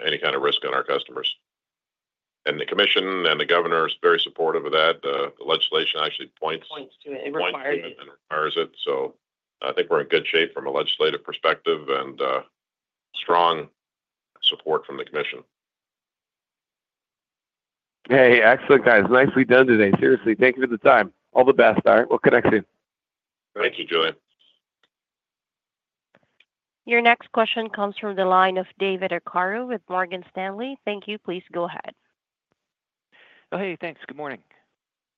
any kind of risk on our customers. The Commission and the Governor is very supportive of that. The legislation actually points. Points to it. It requires it. Points to it and requires it. So I think we're in good shape from a legislative perspective and strong support from the commission. Hey, excellent, guys. Nicely done today. Seriously, thank you for the time. All the best, all right? We'll connect soon. Thank you, Julien. Your next question comes from the line of David Arcaro with Morgan Stanley. Thank you. Please go ahead. Hey, thanks. Good morning.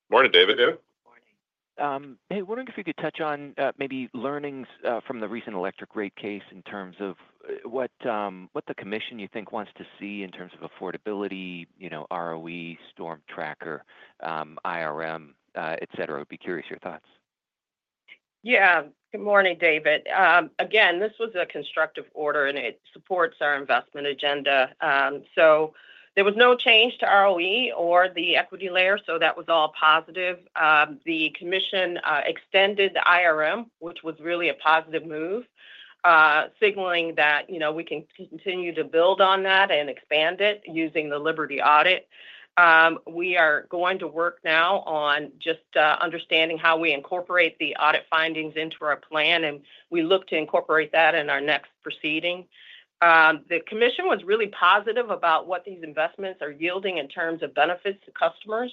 Morning, David. Hey, wondering if you could touch on maybe learnings from the recent electric rate case in terms of what the commission, you think, wants to see in terms of affordability, ROE, storm tracker, IRM, etc. I'd be curious your thoughts. Yeah. Good morning, David. Again, this was a constructive order, and it supports our investment agenda. So there was no change to ROE or the equity layer, so that was all positive. The commission extended the IRM, which was really a positive move, signaling that we can continue to build on that and expand it using the Liberty audit. We are going to work now on just understanding how we incorporate the audit findings into our plan, and we look to incorporate that in our next proceeding. The commission was really positive about what these investments are yielding in terms of benefits to customers.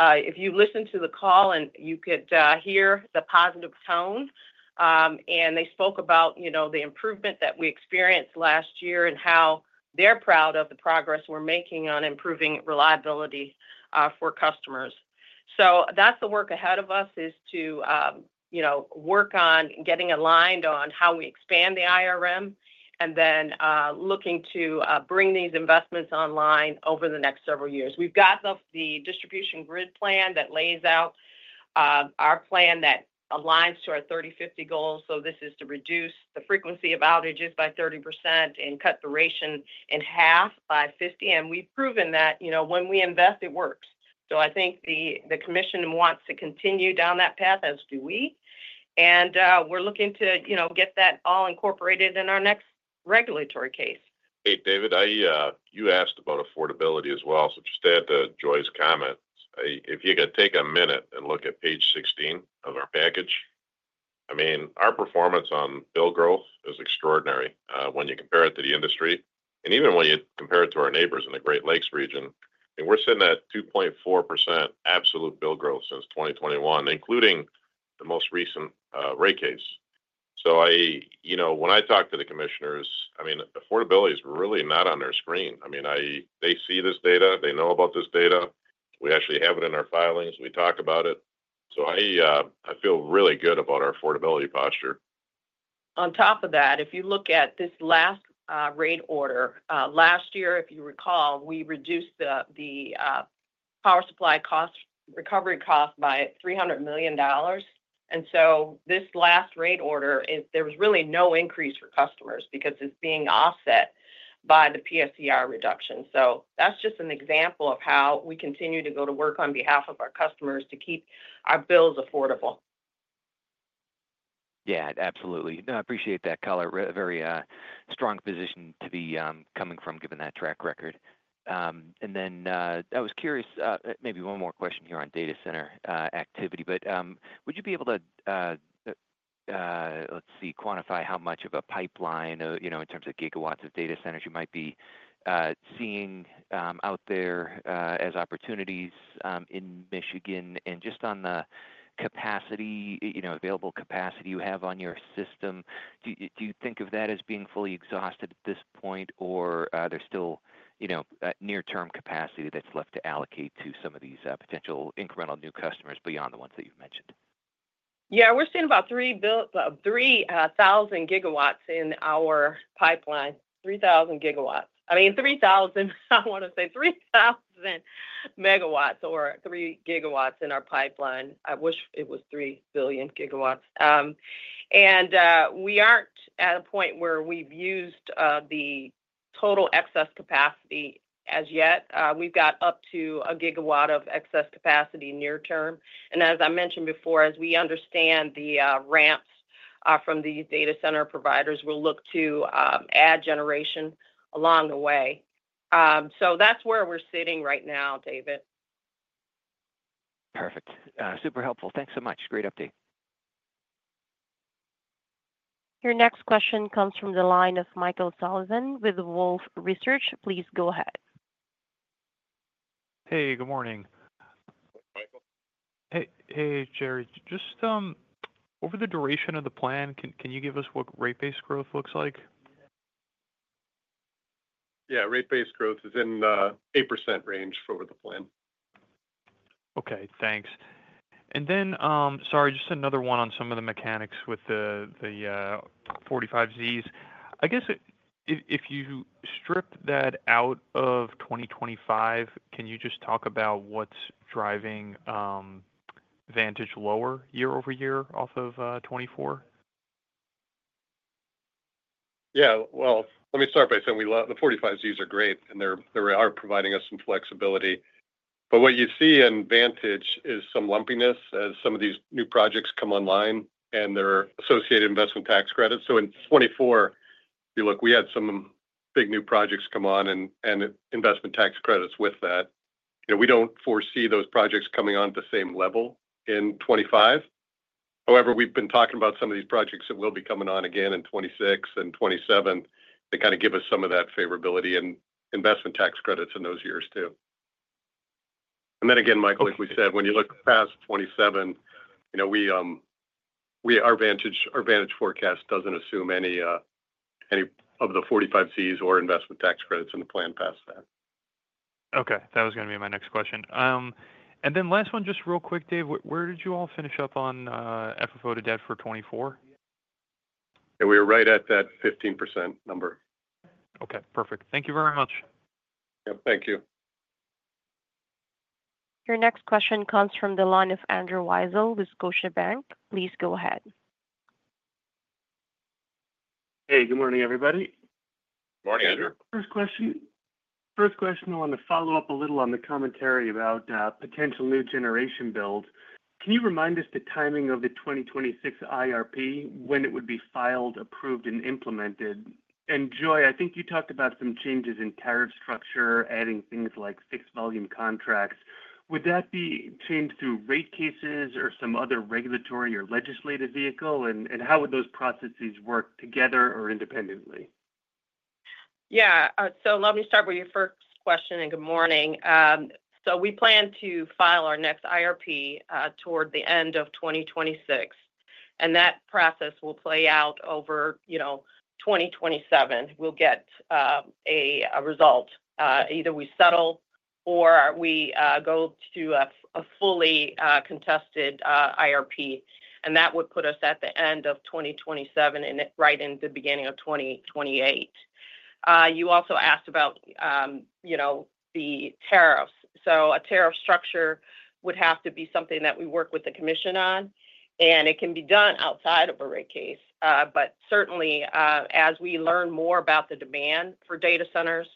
If you listen to the call, you could hear the positive tone. And they spoke about the improvement that we experienced last year and how they're proud of the progress we're making on improving reliability for customers. So that's the work ahead of us is to work on getting aligned on how we expand the IRM and then looking to bring these investments online over the next several years. We've got the distribution grid plan that lays out our plan that aligns to our 30%-50% goals. So this is to reduce the frequency of outages by 30% and cut the ratio in half by 50%. And we've proven that when we invest, it works. So I think the Commission wants to continue down that path, as do we. And we're looking to get that all incorporated in our next regulatory case. Hey, David, you asked about affordability as well. So just to add to Joi's comment, if you could take a minute and look at Page 16 of our package, I mean, our performance on bill growth is extraordinary when you compare it to the industry. And even when you compare it to our neighbors in the Great Lakes region, we're sitting at 2.4% absolute bill growth since 2021, including the most recent rate case. So when I talk to the commissioners, I mean, affordability is really not on their screen. I mean, they see this data. They know about this data. We actually have it in our filings. We talk about it. So I feel really good about our affordability posture. On top of that, if you look at this last rate order, last year, if you recall, we reduced the power supply cost recovery cost by $300 million, and so this last rate order, there was really no increase for customers because it's being offset by the PSCR reduction, so that's just an example of how we continue to go to work on behalf of our customers to keep our bills affordable. Yeah, absolutely. No, I appreciate that, color. Very strong position to be coming from, given that track record. And then I was curious, maybe one more question here on data center activity. But would you be able to, let's see, quantify how much of a pipeline in terms of gigawatts of data centers you might be seeing out there as opportunities in Michigan? And just on the available capacity you have on your system, do you think of that as being fully exhausted at this point, or there's still near-term capacity that's left to allocate to some of these potential incremental new customers beyond the ones that you've mentioned? Yeah, we're seeing about 3,000 gigawatts in our pipeline. 3,000 gigawatts. I mean, 3,000. I want to say 3,000 megawatts or 3 gigawatts in our pipeline. I wish it was 3 billion gigawatts. And we aren't at a point where we've used the total excess capacity as yet. We've got up to a gigawatt of excess capacity near-term. And as I mentioned before, as we understand the ramps from these data center providers, we'll look to add generation along the way. So that's where we're sitting right now, David. Perfect. Super helpful. Thanks so much. Great update. Your next question comes from the line of Michael Sullivan with Wolfe Research. Please go ahead. Hey, good morning. Hey, Michael. Hey, Jerry. Just over the duration of the plan, can you give us what rate-based growth looks like? Yeah, rate-based growth is in the 8% range for the plan. Okay, thanks. And then, sorry, just another one on some of the mechanics with the 45Zs. I guess if you strip that out of 2025, can you just talk about what's driving Vantage lower year-over-year off of 2024? Yeah. Well, let me start by saying the 45Zs are great, and they are providing us some flexibility. But what you see in Vantage is some lumpiness as some of these new projects come online and their associated investment tax credits. So in 2024, if you look, we had some big new projects come on and investment tax credits with that. We don't foresee those projects coming on at the same level in 2025. However, we've been talking about some of these projects that will be coming on again in 2026 and 2027 to kind of give us some of that favorability and investment tax credits in those years too. And then again, Michael, like we said, when you look past 2027, our Vantage forecast doesn't assume any of the 45Zs or investment tax credits in the plan past that. Okay. That was going to be my next question, and then last one, just real quick, Dave, where did you all finish up on FFO to debt for 2024? We were right at that 15% number. Okay. Perfect. Thank you very much. Yep. Thank you. Your next question comes from the line of Andrew Weisel with Scotiabank. Please go ahead. Hey, good morning, everybody. Morning, Andrew. First question. First question on the follow-up a little on the commentary about potential new generation builds. Can you remind us the timing of the 2026 IRP, when it would be filed, approved, and implemented? And Joi, I think you talked about some changes in tariff structure, adding things like fixed volume contracts. Would that be changed through rate cases or some other regulatory or legislative vehicle? And how would those processes work together or independently? Yeah, so let me start with your first question. And good morning. So we plan to file our next IRP toward the end of 2026. And that process will play out over 2027. We'll get a result. Either we settle or we go to a fully contested IRP. And that would put us at the end of 2027 and right in the beginning of 2028. You also asked about the tariffs. So a tariff structure would have to be something that we work with the commission on. And it can be done outside of a rate case. But certainly, as we learn more about the demand for data centers,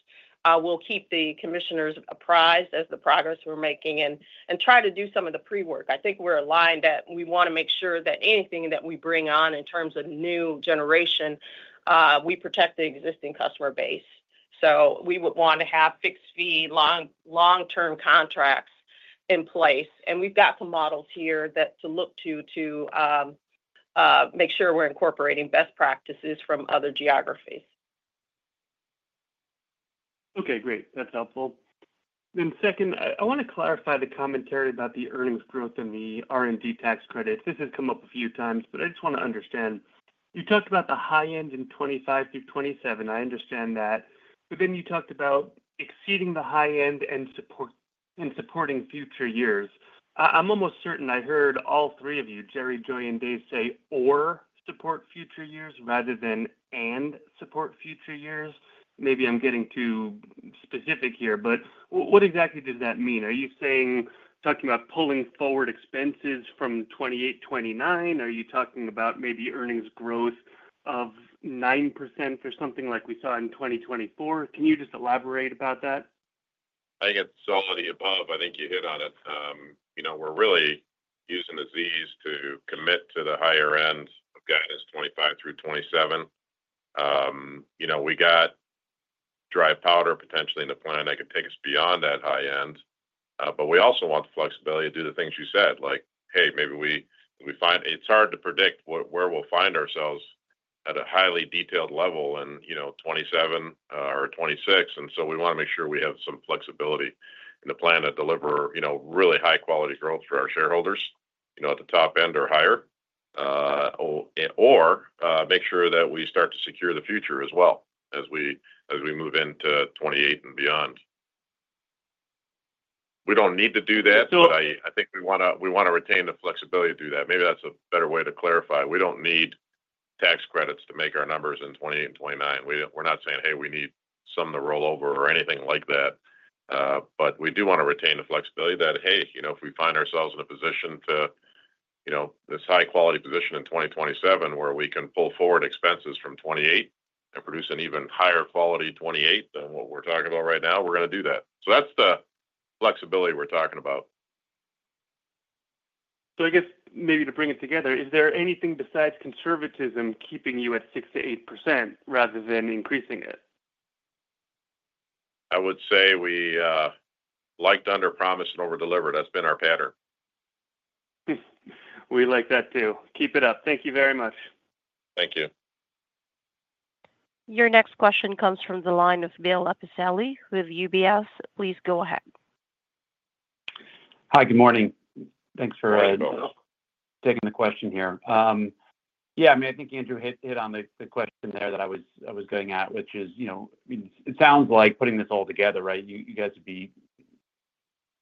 we'll keep the commissioners apprised of the progress we're making and try to do some of the pre-work. I think we're aligned that we want to make sure that anything that we bring on in terms of new generation, we protect the existing customer base. So we would want to have fixed-fee, long-term contracts in place. And we've got some models here to look to to make sure we're incorporating best practices from other geographies. Okay, great. That's helpful. Then second, I want to clarify the commentary about the earnings growth and the R&D tax credits. This has come up a few times, but I just want to understand. You talked about the high end in 2025 through 2027. I understand that. But then you talked about exceeding the high end and supporting future years. I'm almost certain I heard all three of you, Jerry, Joi, and Dave, say, "Or support future years rather than and support future years." Maybe I'm getting too specific here. But what exactly does that mean? Are you talking about pulling forward expenses from 2028, 2029? Are you talking about maybe earnings growth of 9% or something like we saw in 2024? Can you just elaborate about that? I think it's some of the above. I think you hit on it. We're really using the 45Zs to commit to the higher end. We've gotten as 2025 through 2027. We got dry powder potentially in the plan that could take us beyond that high end. But we also want the flexibility to do the things you said, like, "Hey, maybe we find it's hard to predict where we'll find ourselves at a highly detailed level in 2027 or 2026." And so we want to make sure we have some flexibility in the plan to deliver really high-quality growth for our shareholders at the top end or higher, or make sure that we start to secure the future as well as we move into 2028 and beyond. We don't need to do that, but I think we want to retain the flexibility to do that. Maybe that's a better way to clarify. We don't need tax credits to make our numbers in 2028 and 2029. We're not saying, "Hey, we need some of the rollover or anything like that." But we do want to retain the flexibility that, "Hey, if we find ourselves in a position to this high-quality position in 2027 where we can pull forward expenses from 2028 and produce an even higher quality 2028 than what we're talking about right now, we're going to do that." So that's the flexibility we're talking about. So I guess maybe to bring it together, is there anything besides conservatism keeping you at 6%-8% rather than increasing it? I would say we liked to underpromise and overdeliver. That's been our pattern. We like that too. Keep it up. Thank you very much. Thank you. Your next question comes from the line of Bill Appicelli with UBS. Please go ahead. Hi, good morning. Thanks for taking the question here. Yeah, I mean, I think Andrew hit on the question there that I was going at, which is it sounds like putting this all together, right? You guys would be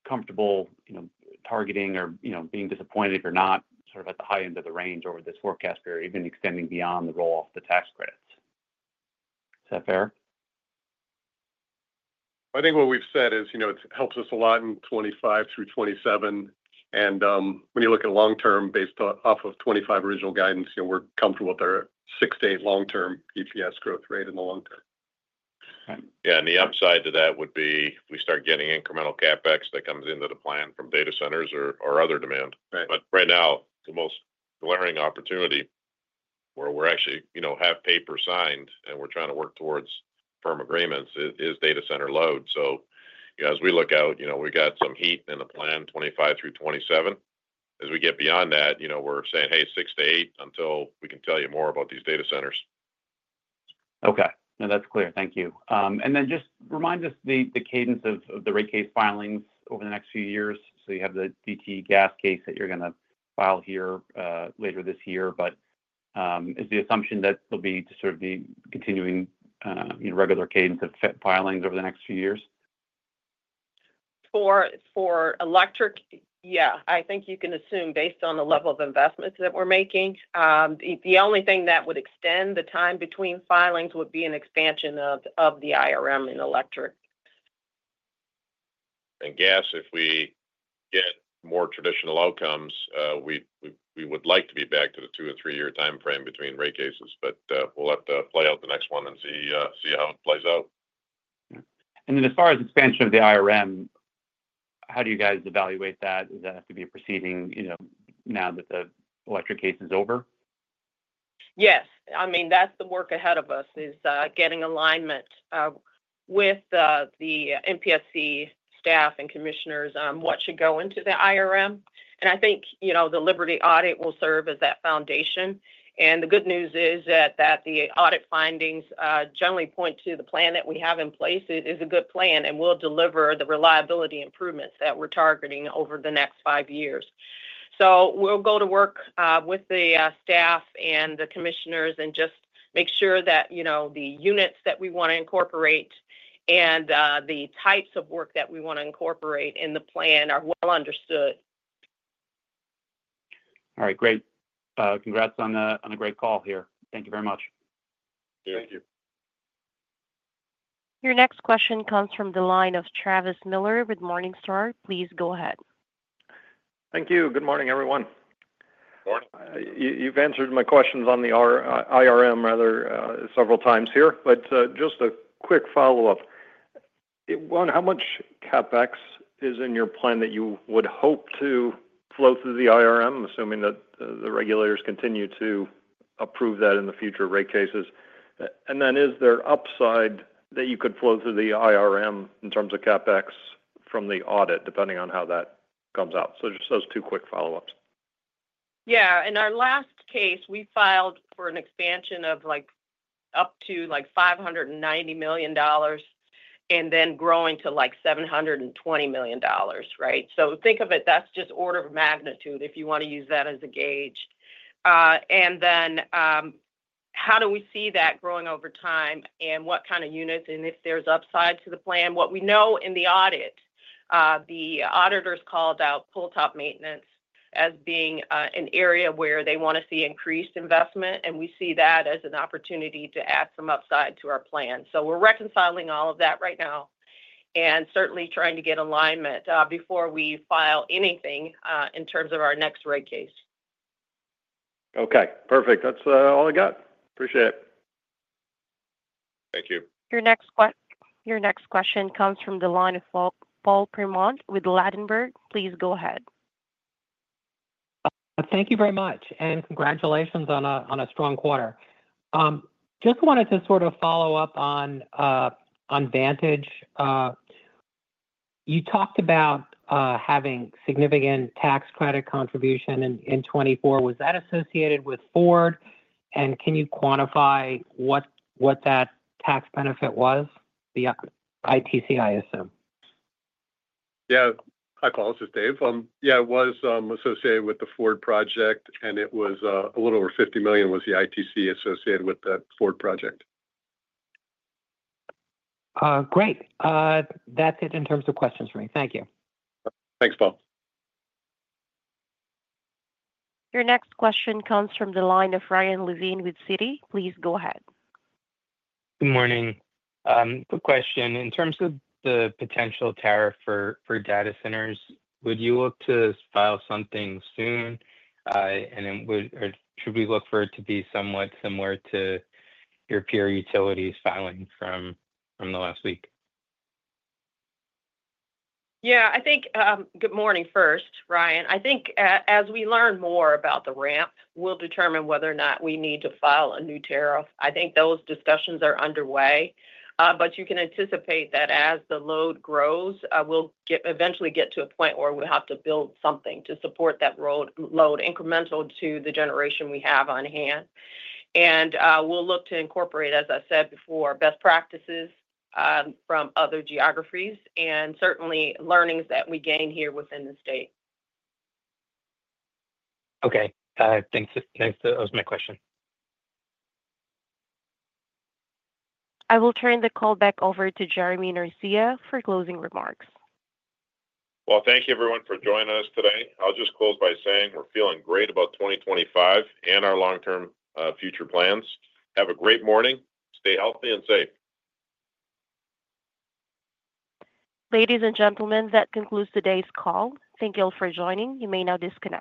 comfortable targeting or being disappointed if you're not sort of at the high end of the range over this forecast period, even extending beyond the roll-off of the tax credits. Is that fair? I think what we've said is it helps us a lot in 2025 through 2027, and when you look at long-term based off of 2025 original guidance, we're comfortable with our six to eight long-term EPS growth rate in the long term. Yeah, and the upside to that would be we start getting incremental CapEx that comes into the plan from data centers or other demand, but right now, the most glaring opportunity where we actually have paper signed and we're trying to work towards firm agreements is data center load, so as we look out, we've got some heat in the plan 2025 through 2027. As we get beyond that, we're saying, "Hey, six to eight until we can tell you more about these data centers. Okay. No, that's clear. Thank you. And then just remind us the cadence of the rate case filings over the next few years. So you have the DTE Gas case that you're going to file here later this year. But is the assumption that there'll be sort of the continuing regular cadence of filings over the next few years? For electric, yeah, I think you can assume based on the level of investments that we're making. The only thing that would extend the time between filings would be an expansion of the IRM in electric. Gas, if we get more traditional outcomes, we would like to be back to the two- to three-year timeframe between rate cases. We'll have to play out the next one and see how it plays out. And then as far as expansion of the IRM, how do you guys evaluate that? Does that have to be proceeding now that the electric case is over? Yes. I mean, that's the work ahead of us is getting alignment with the MPSC staff and commissioners on what should go into the IRM, and I think the Liberty audit will serve as that foundation, and the good news is that the audit findings generally point to the plan that we have in place is a good plan, and we'll deliver the reliability improvements that we're targeting over the next five years, so we'll go to work with the staff and the commissioners and just make sure that the units that we want to incorporate and the types of work that we want to incorporate in the plan are well understood. All right. Great. Congrats on a great call here. Thank you very much. Thank you. Your next question comes from the line of Travis Miller with Morningstar. Please go ahead. Thank you. Good morning, everyone. Morning. You've answered my questions on the IRM rather several times here. But just a quick follow-up. One, how much CapEx is in your plan that you would hope to flow through the IRM, assuming that the regulators continue to approve that in the future rate cases? And then is there upside that you could flow through the IRM in terms of CapEx from the audit, depending on how that comes out? So just those two quick follow-ups. Yeah. In our last case, we filed for an expansion of up to $590 million and then growing to $720 million, right? So think of it, that's just order of magnitude if you want to use that as a gauge. And then how do we see that growing over time and what kind of units and if there's upside to the plan? What we know in the audit, the auditors called out pole-top maintenance as being an area where they want to see increased investment. And we see that as an opportunity to add some upside to our plan. So we're reconciling all of that right now and certainly trying to get alignment before we file anything in terms of our next rate case. Okay. Perfect. That's all I got. Appreciate it. Thank you. Your next question comes from the line of Paul Fremont with Ladenburg. Please go ahead. Thank you very much. And congratulations on a strong quarter. Just wanted to sort of follow up on Vantage. You talked about having significant tax credit contribution in 2024. Was that associated with Ford? And can you quantify what that tax benefit was, the ITC, I assume? Yeah. Hi, Paul. This is Dave. Yeah, it was associated with the Ford project. And it was a little over $50 million was the ITC associated with the Ford project. Great. That's it in terms of questions for me. Thank you. Thanks, Paul. Your next question comes from the line of Ryan Levine with Citi. Please go ahead. Good morning. Quick question. In terms of the potential tariff for data centers, would you look to file something soon? And should we look for it to be somewhat similar to your peer utilities filing from the last week? Yeah. Good morning first, Ryan. I think as we learn more about the ramp, we'll determine whether or not we need to file a new tariff. I think those discussions are underway. But you can anticipate that as the load grows, we'll eventually get to a point where we'll have to build something to support that load incremental to the generation we have on hand. And we'll look to incorporate, as I said before, best practices from other geographies and certainly learnings that we gain here within the state. Okay. Thanks. That was my question. I will turn the call back over to Jerry Norcia for closing remarks. Thank you, everyone, for joining us today. I'll just close by saying we're feeling great about 2025 and our long-term future plans. Have a great morning. Stay healthy and safe. Ladies and gentlemen, that concludes today's call. Thank you all for joining. You may now disconnect.